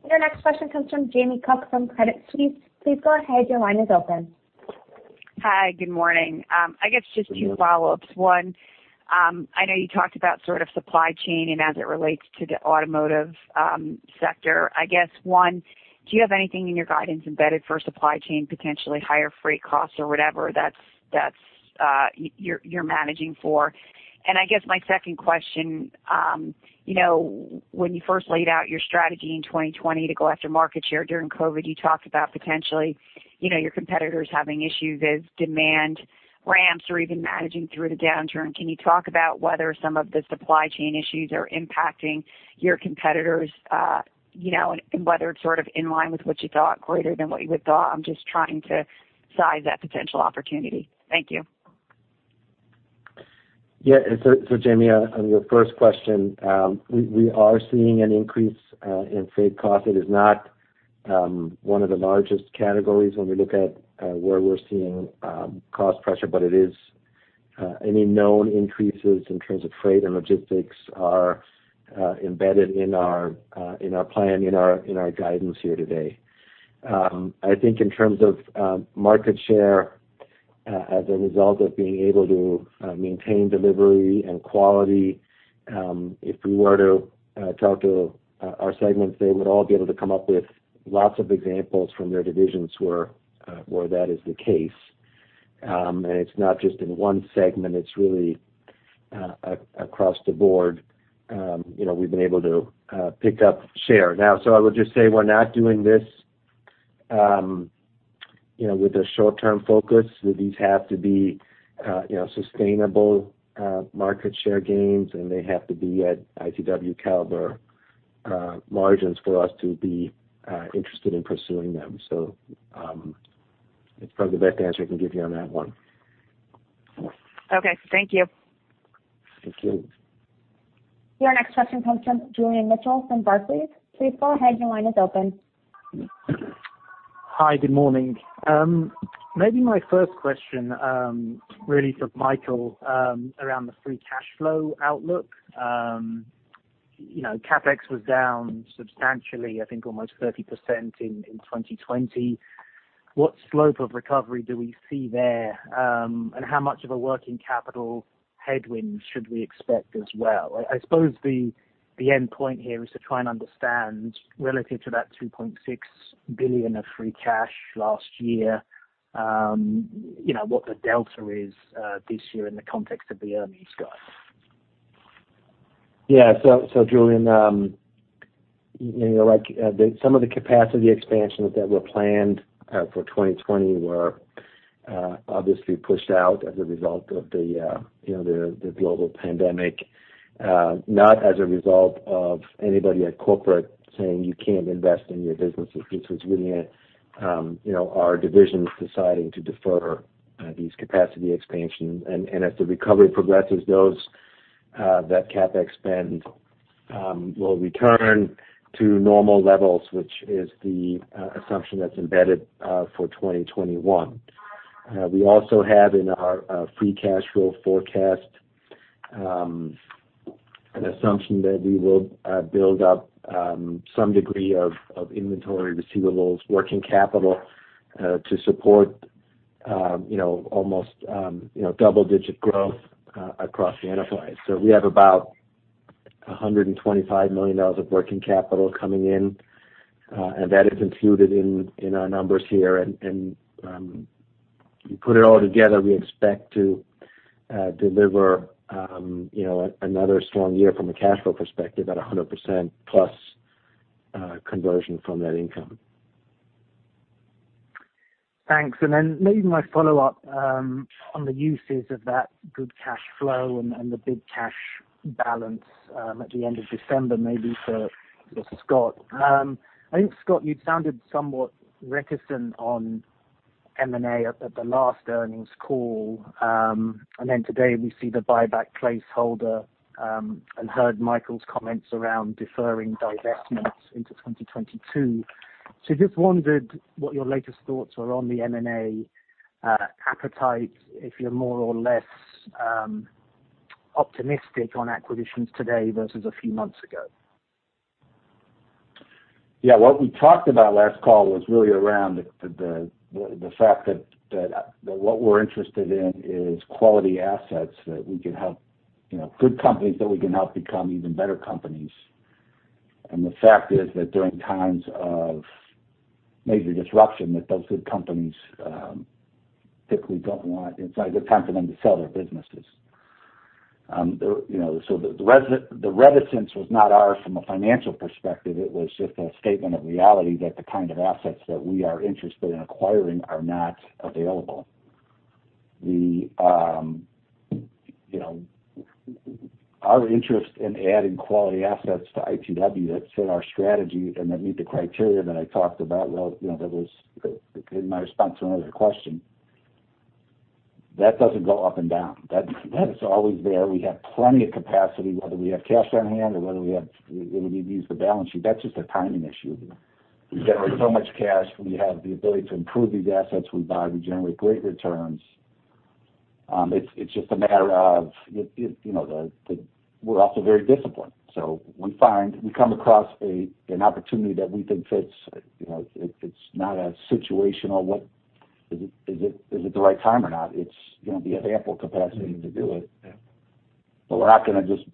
Your next question comes from Jamie Cook from Credit Suisse. Please go ahead. Your line is open. Hi. Good morning. I guess just two follow-ups. One, I know you talked about sort of supply chain and as it relates to the automotive sector. I guess, one, do you have anything in your guidance embedded for supply chain, potentially higher freight costs or whatever that you're managing for? I guess my second question, when you first laid out your strategy in 2020 to go after market share during COVID, you talked about potentially your competitors having issues as demand ramps or even managing through the downturn. Can you talk about whether some of the supply chain issues are impacting your competitors and whether it's sort of in line with what you thought, greater than what you would have thought? I'm just trying to size that potential opportunity. Thank you. Yeah. Jamie, on your first question, we are seeing an increase in freight cost. It is not one of the largest categories when we look at where we're seeing cost pressure, but it is. Any known increases in terms of freight and logistics are embedded in our plan, in our guidance here today. I think in terms of market share as a result of being able to maintain delivery and quality, if we were to talk to our segments, they would all be able to come up with lots of examples from their divisions where that is the case. It's not just in one segment. It's really across the board. We've been able to pick up share. I would just say we're not doing this with a short-term focus. These have to be sustainable market share gains, and they have to be at ITW-caliber margins for us to be interested in pursuing them. It's probably the best answer I can give you on that one. Okay. Thank you. Thank you. Your next question comes from Julian Mitchell from Barclays. Please go ahead. Your line is open. Hi. Good morning. Maybe my first question really for Michael around the free cash flow outlook. CapEx was down substantially, I think almost 30% in 2020. What slope of recovery do we see there? And how much of a working capital headwind should we expect as well? I suppose the end point here is to try and understand relative to that $2.6 billion of free cash last year what the delta is this year in the context of the earnings, Scott. Yeah. Julian, you're right. Some of the capacity expansions that were planned for 2020 were obviously pushed out as a result of the global pandemic, not as a result of anybody at corporate saying, "You can't invest in your businesses." This was really our divisions deciding to defer these capacity expansions. As the recovery progresses, that CapEx spend will return to normal levels, which is the assumption that's embedded for 2021. We also have in our free cash flow forecast an assumption that we will build up some degree of inventory receivables, working capital to support almost double-digit growth across the enterprise. We have about $125 million of working capital coming in, and that is included in our numbers here. You put it all together, we expect to deliver another strong year from a cash flow perspective at 100% plus conversion from that income. Thanks. Maybe my follow-up on the uses of that good cash flow and the big cash balance at the end of December is for Scott. I think, Scott, you sounded somewhat reticent on M&A at the last earnings call. Today we see the buyback placeholder and heard Michael's comments around deferring divestments into 2022. I just wondered what your latest thoughts were on the M&A appetite, if you are more or less optimistic on acquisitions today versus a few months ago. Yeah. What we talked about last call was really around the fact that what we are interested in is quality assets that we can help, good companies that we can help become even better companies. The fact is that during times of major disruption, those good companies typically do not want, it is not a good time for them to sell their businesses. The reticence was not ours from a financial perspective. It was just a statement of reality that the kind of assets that we are interested in acquiring are not available. Our interest in adding quality assets to ITW that fit our strategy and that meet the criteria that I talked about, that was in my response to another question, that does not go up and down. That is always there. We have plenty of capacity, whether we have cash on hand or whether we have—it would even use the balance sheet. That is just a timing issue. We generate so much cash. We have the ability to improve these assets we buy. We generate great returns. It is just a matter of we are also very disciplined. We come across an opportunity that we think fits. It's not a situational, "Is it the right time or not?" It's, "We have ample capacity to do it." We are not going to just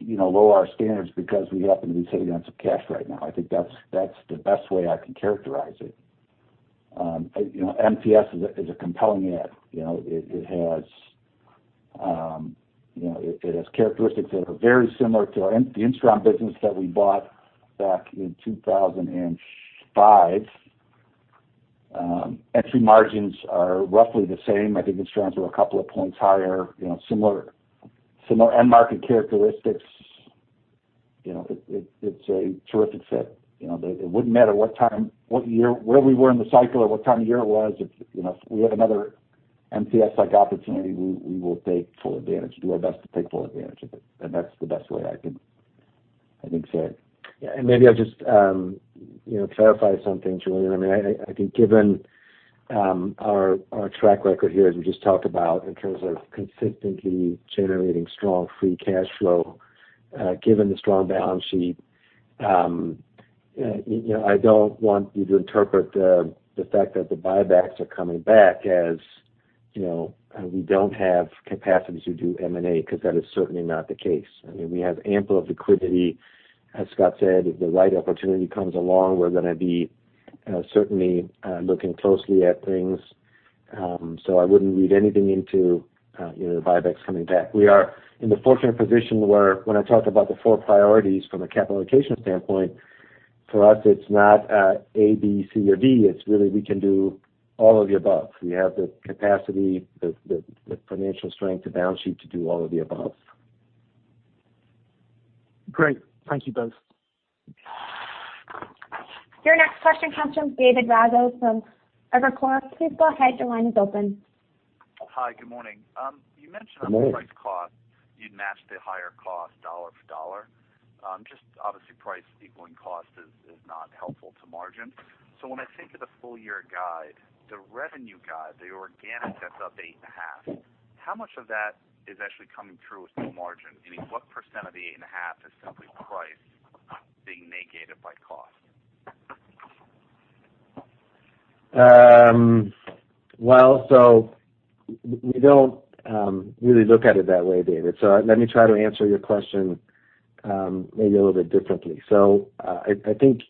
lower our standards because we happen to be sitting on some cash right now. I think that's the best way I can characterize it. MTS is a compelling ad. It has characteristics that are very similar to the Instron business that we bought back in 2005. Entry margins are roughly the same. I think Instron's were a couple of points higher. Similar end market characteristics. It's a terrific fit. It would not matter what time, what year, where we were in the cycle, or what time of year it was. If we have another MTS-like opportunity, we will take full advantage and do our best to take full advantage of it. That's the best way I can say it. Yeah. Maybe I'll just clarify something, Julian. I mean, I think given our track record here as we just talked about in terms of consistently generating strong free cash flow, given the strong balance sheet, I don't want you to interpret the fact that the buybacks are coming back as we don't have capacity to do M&A because that is certainly not the case. I mean, we have ample liquidity, as Scott said. If the right opportunity comes along, we're going to be certainly looking closely at things. I wouldn't read anything into the buybacks coming back. We are in the fortunate position where when I talked about the four priorities from a capital allocation standpoint, for us, it's not A, B, C, or D. It's really we can do all of the above. We have the capacity, the financial strength, the balance sheet to do all of the above. Great. Thank you both. Your next question comes from David Raso from Evercore. Please go ahead. Your line is open. Hi. Good morning. You mentioned on the price cost, you'd match the higher cost dollar for dollar. Just obviously, price equaling cost is not helpful to margin. I mean, when I think of the full-year guide, the revenue guide, the organic that's up 8.5%, how much of that is actually coming through with the margin? I mean, what percent of the 8.5% is simply price being negated by cost? We do not really look at it that way, David. Let me try to answer your question maybe a little bit differently. I think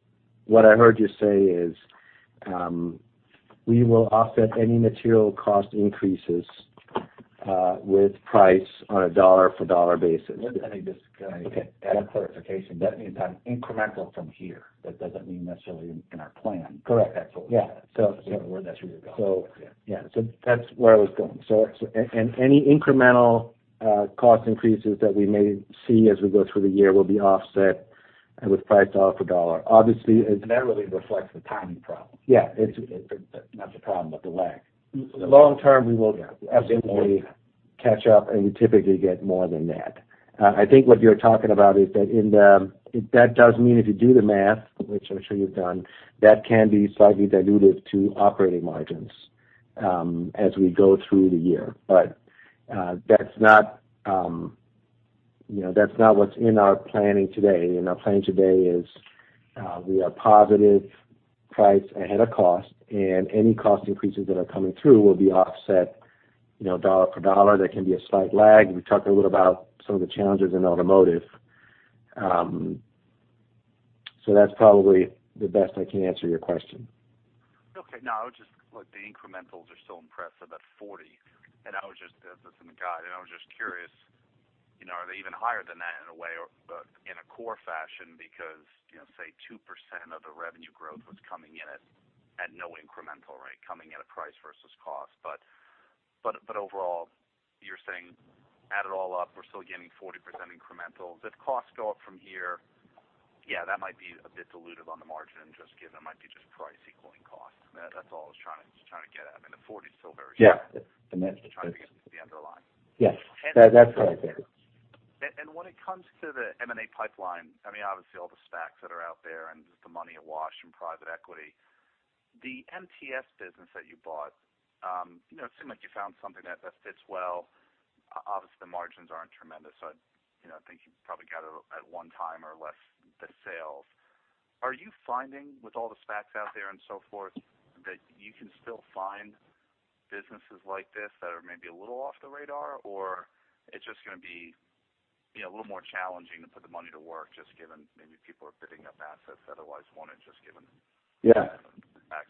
what I heard you say is we will offset any material cost increases with price on a dollar-for-dollar basis. Let me just add a clarification. That means on incremental from here. That does not mean necessarily in our plan. Correct. That is what we are saying. Yeah. That is where you are going. Yeah. That is where I was going. Any incremental cost increases that we may see as we go through the year will be offset with price dollar-for-dollar. Obviously. That really reflects the timing problem. Yeah. It is not the problem, but the lag. Long term, we will definitely catch up, and we typically get more than that. I think what you are talking about is that in the—that does mean if you do the math, which I am sure you have done, that can be slightly diluted to operating margins as we go through the year. That is not what is in our planning today. Our plan today is we are positive price ahead of cost, and any cost increases that are coming through will be offset dollar-for-dollar. There can be a slight lag. We talked a little bit about some of the challenges in automotive. That is probably the best I can answer your question. Okay. No, I was just—look, the incrementals are still impressive at 40. I was just—this is in the guide. I was just curious, are they even higher than that in a way or in a core fashion because, say, 2% of the revenue growth was coming in at no incremental rate, coming in at price versus cost? Overall, you are saying add it all up, we are still getting 40% incremental. If costs go up from here, that might be a bit diluted on the margin just given it might be just price equaling cost. That's all I was trying to get at. I mean, the 40 is still very high. Yeah. And that's the underlying. Yes. That's what I think. I mean, when it comes to the M&A pipeline, obviously, all the SPACs that are out there and the money at Wash and private equity, the MTS business that you bought, it seemed like you found something that fits well. Obviously, the margins aren't tremendous, so I think you probably got it at one time or less the sales. Are you finding with all the SPACs out there and so forth that you can still find businesses like this that are maybe a little off the radar, or it's just going to be a little more challenging to put the money to work just given maybe people are bidding up assets otherwise wanted just given? Yeah.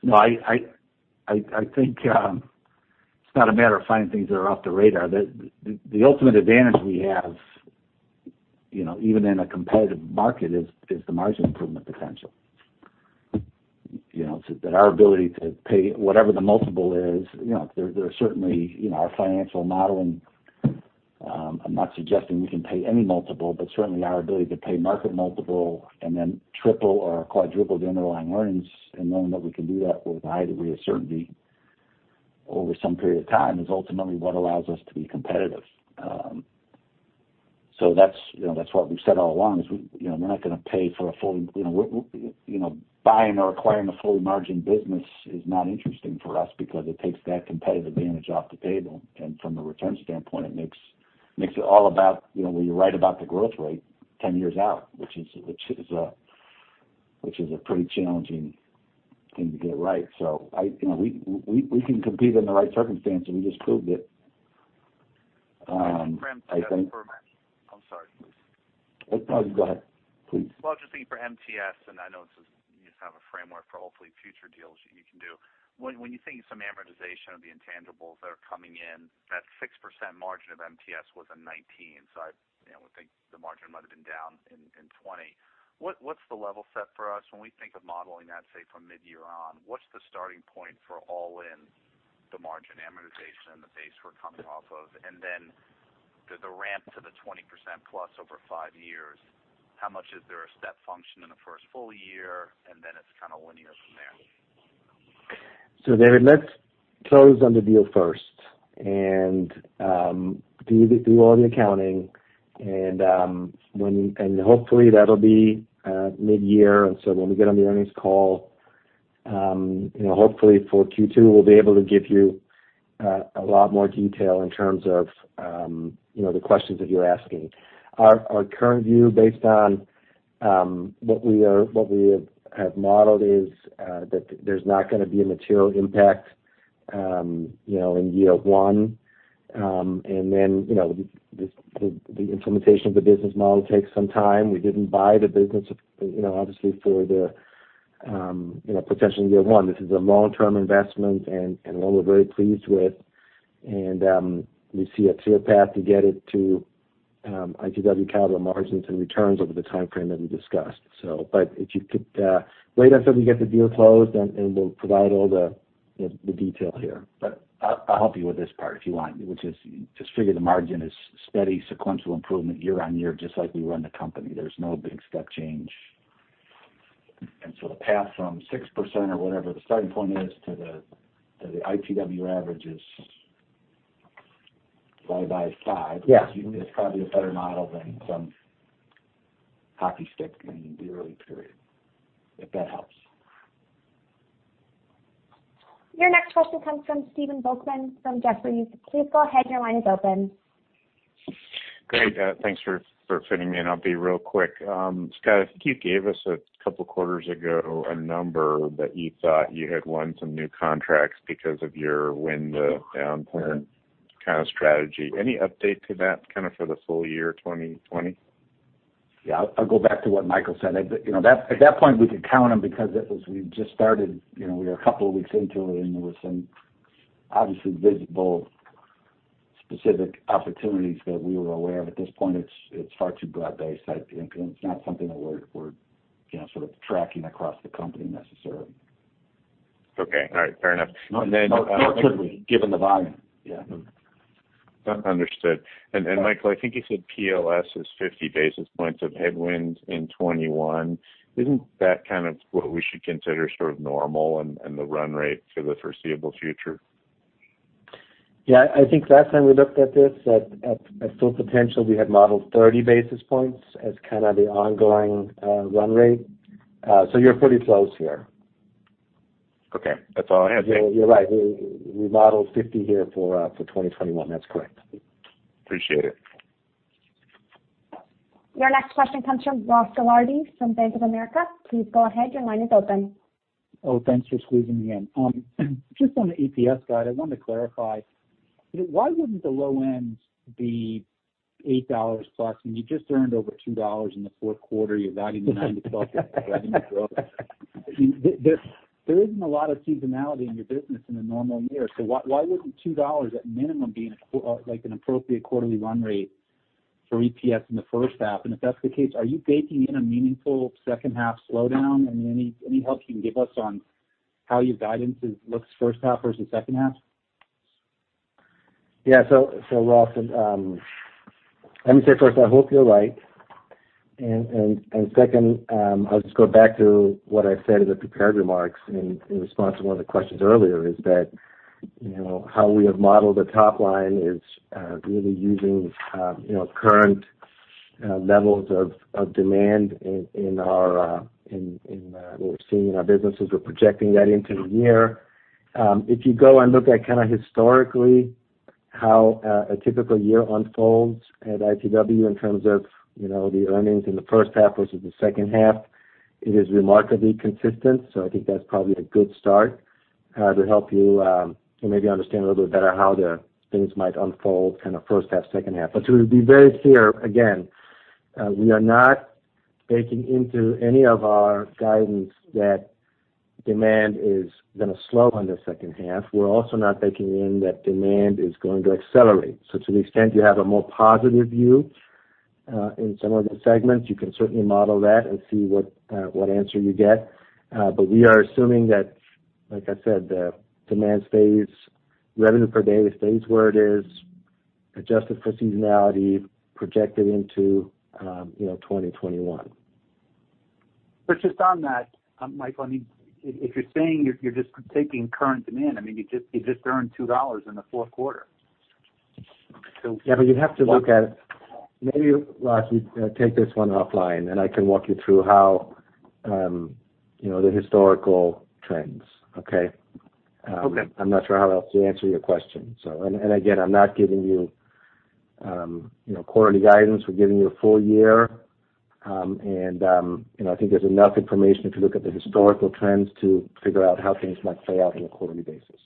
No, I think it's not a matter of finding things that are off the radar. The ultimate advantage we have, even in a competitive market, is the margin improvement potential. That our ability to pay whatever the multiple is, there are certainly our financial modeling. I'm not suggesting we can pay any multiple, but certainly our ability to pay market multiple and then triple or quadruple the underlying earnings and knowing that we can do that with a high degree of certainty over some period of time is ultimately what allows us to be competitive. That's what we've said all along is we're not going to pay for a fully buying or acquiring a fully margin business is not interesting for us because it takes that competitive advantage off the table. From a return standpoint, it makes it all about where you're right about the growth rate 10 years out, which is a pretty challenging thing to get right. We can compete in the right circumstances. We just proved it. I think. I'm sorry, please. No, you go ahead, please. I was just thinking for MTS, and I know this is you just have a framework for hopefully future deals that you can do. When you think of some amortization of the intangibles that are coming in, that 6% margin of MTS was in 2019. I would think the margin might have been down in 2020. What's the level set for us when we think of modeling that, say, from mid-year on? What's the starting point for all in the margin amortization and the base we're coming off of? Then the ramp to the 20% plus over five years, how much is there a step function in the first full year, and then it's kind of linear from there? David, let's close on the deal first and do all the accounting. Hopefully, that'll be mid-year. When we get on the earnings call, hopefully for Q2, we'll be able to give you a lot more detail in terms of the questions that you're asking. Our current view based on what we have modeled is that there's not going to be a material impact in year one. The implementation of the business model takes some time. We didn't buy the business, obviously, for the potential year one. This is a long-term investment, and one we're very pleased with. We see a clear path to get it to ITW-calibre margins and returns over the timeframe that we discussed. If you could wait until we get the deal closed, we'll provide all the detail here. I'll help you with this part if you want, which is just figure the margin is steady sequential improvement year on year, just like we run the company. There's no big step change. The path from 6% or whatever the starting point is to the ITW average is by five. It's probably a better model than some hockey stick in the early period, if that helps. Your next question comes from Stephen Volkmann from Jefferies. Please go ahead. Your line is open. Great. Thanks for fitting me in. I'll be real quick. Scott, I think you gave us a couple of quarters ago a number that you thought you had won some new contracts because of your win-the-downturn kind of strategy. Any update to that kind of for the full year 2020? Yeah. I'll go back to what Michael said. At that point, we could count them because we just started. We were a couple of weeks into it, and there were some obviously visible specific opportunities that we were aware of. At this point, it's far too broad-based. It's not something that we're sort of tracking across the company necessarily. Okay. All right. Fair enough. Then. Could we, given the volume. Yeah. Understood. Michael, I think you said PLS is 50 basis points of headwinds in 2021. Isn't that kind of what we should consider sort of normal and the run rate for the foreseeable future? Yeah. I think last time we looked at this, at full potential, we had modeled 30 basis points as kind of the ongoing run rate. You are pretty close here. Okay. That is all I had. You are right. We modeled 50 here for 2021. That is correct. Appreciate it. Your next question comes from Ross Gilardi from Bank of America. Please go ahead. Your line is open. Oh, thanks for squeezing me in. Just on the EPS guide, I wanted to clarify. Why would not the low end be $8 plus when you just earned over $2 in the fourth quarter? You have added 9-12% revenue growth. There is not a lot of seasonality in your business in a normal year. Why would not $2 at minimum be an appropriate quarterly run rate for EPS in the first half? If that is the case, are you baking in a meaningful second half slowdown? I mean, any help you can give us on how your guidance looks first half versus second half? Yeah. So, Ross, let me say first, I hope you're right. Second, I'll just go back to what I said in the prepared remarks in response to one of the questions earlier is that how we have modeled the top line is really using current levels of demand in what we're seeing in our businesses. We're projecting that into the year. If you go and look at kind of historically how a typical year unfolds at ITW in terms of the earnings in the first half versus the second half, it is remarkably consistent. I think that's probably a good start to help you maybe understand a little bit better how the things might unfold kind of first half, second half. To be very clear, again, we are not baking into any of our guidance that demand is going to slow in the second half. We are also not baking in that demand is going to accelerate. To the extent you have a more positive view in some of the segments, you can certainly model that and see what answer you get. We are assuming that, like I said, the demand stays, revenue per day stays where it is, adjusted for seasonality, projected into 2021. Just on that, Mike, I mean, if you're saying you're just taking current demand, I mean, you just earned $2 in the fourth quarter. Yeah, but you'd have to look at it. Maybe, Ross, we take this one offline, and I can walk you through the historical trends. I'm not sure how else to answer your question. I'm not giving you quarterly guidance. We're giving you a full year. I think there's enough information to look at the historical trends to figure out how things might play out on a quarterly basis.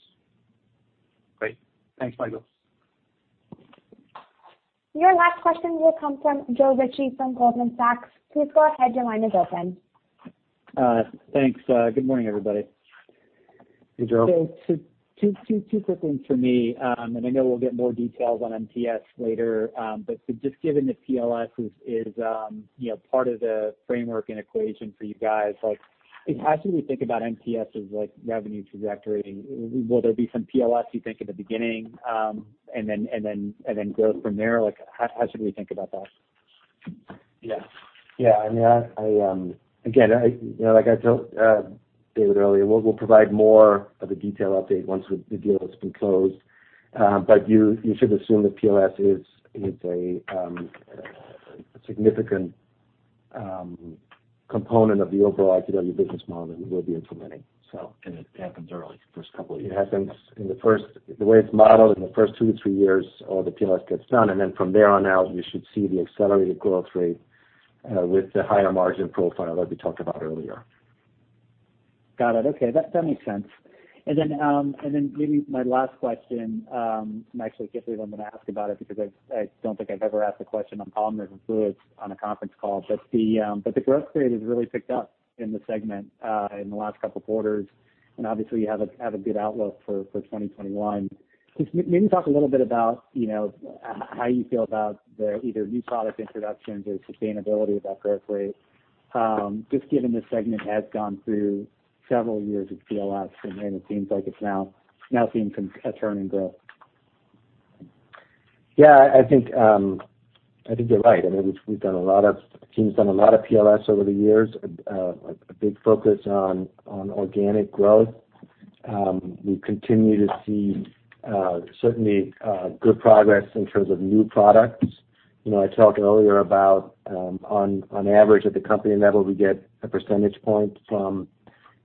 Great. Thanks, Michael. Your last question will come from Joe Ritchie from Goldman Sachs. Please go ahead. Your line is open. Thanks. Good morning, everybody. Hey, Joe. Two quick things for me. I know we'll get more details on MTS later, but just given that PLS is part of the framework and equation for you guys, how should we think about MTS's revenue trajectory? Will there be some PLS, you think, in the beginning and then growth from there? How should we think about that? Yeah. I mean, like I told David earlier, we'll provide more of a detailed update once the deal has been closed. Thanks. Good morning, everybody. Hey, Joe. Two quick things for me. I know we'll get more details on MTS later, but just given that PLS is part of the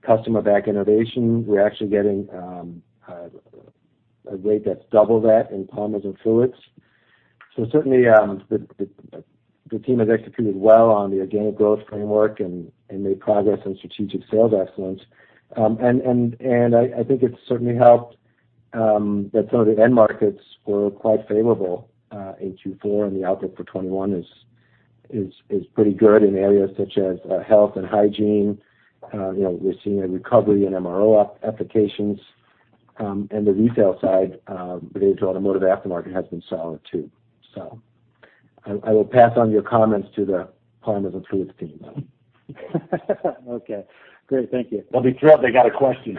framework and equation for you guys, how should we think about MTS's revenue trajectory? Will there be some PLS, you think, in the beginning and then growth from there? How should we think about that? Yeah. I mean, like I told David earlier, we'll provide more of a detailed update once the deal has been closed. I think it is certainly helped that some of the end markets were quite favorable in Q4, and the outlook for 2021 is pretty good in areas such as health and hygiene. We are seeing a recovery in MRO applications. The retail side related to automotive aftermarket has been solid too. I will pass on your comments to the polymers and fluids team. Okay. Great. Thank you. They will be thrilled they got a question.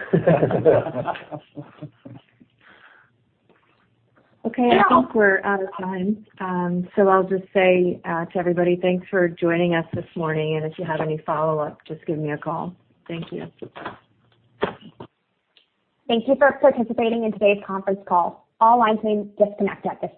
I think we are out of time. I will just say to everybody, thanks for joining us this morning. If you have any follow-up, just give me a call. Thank you. Thank you for participating in today's conference call. All lines may disconnect at this.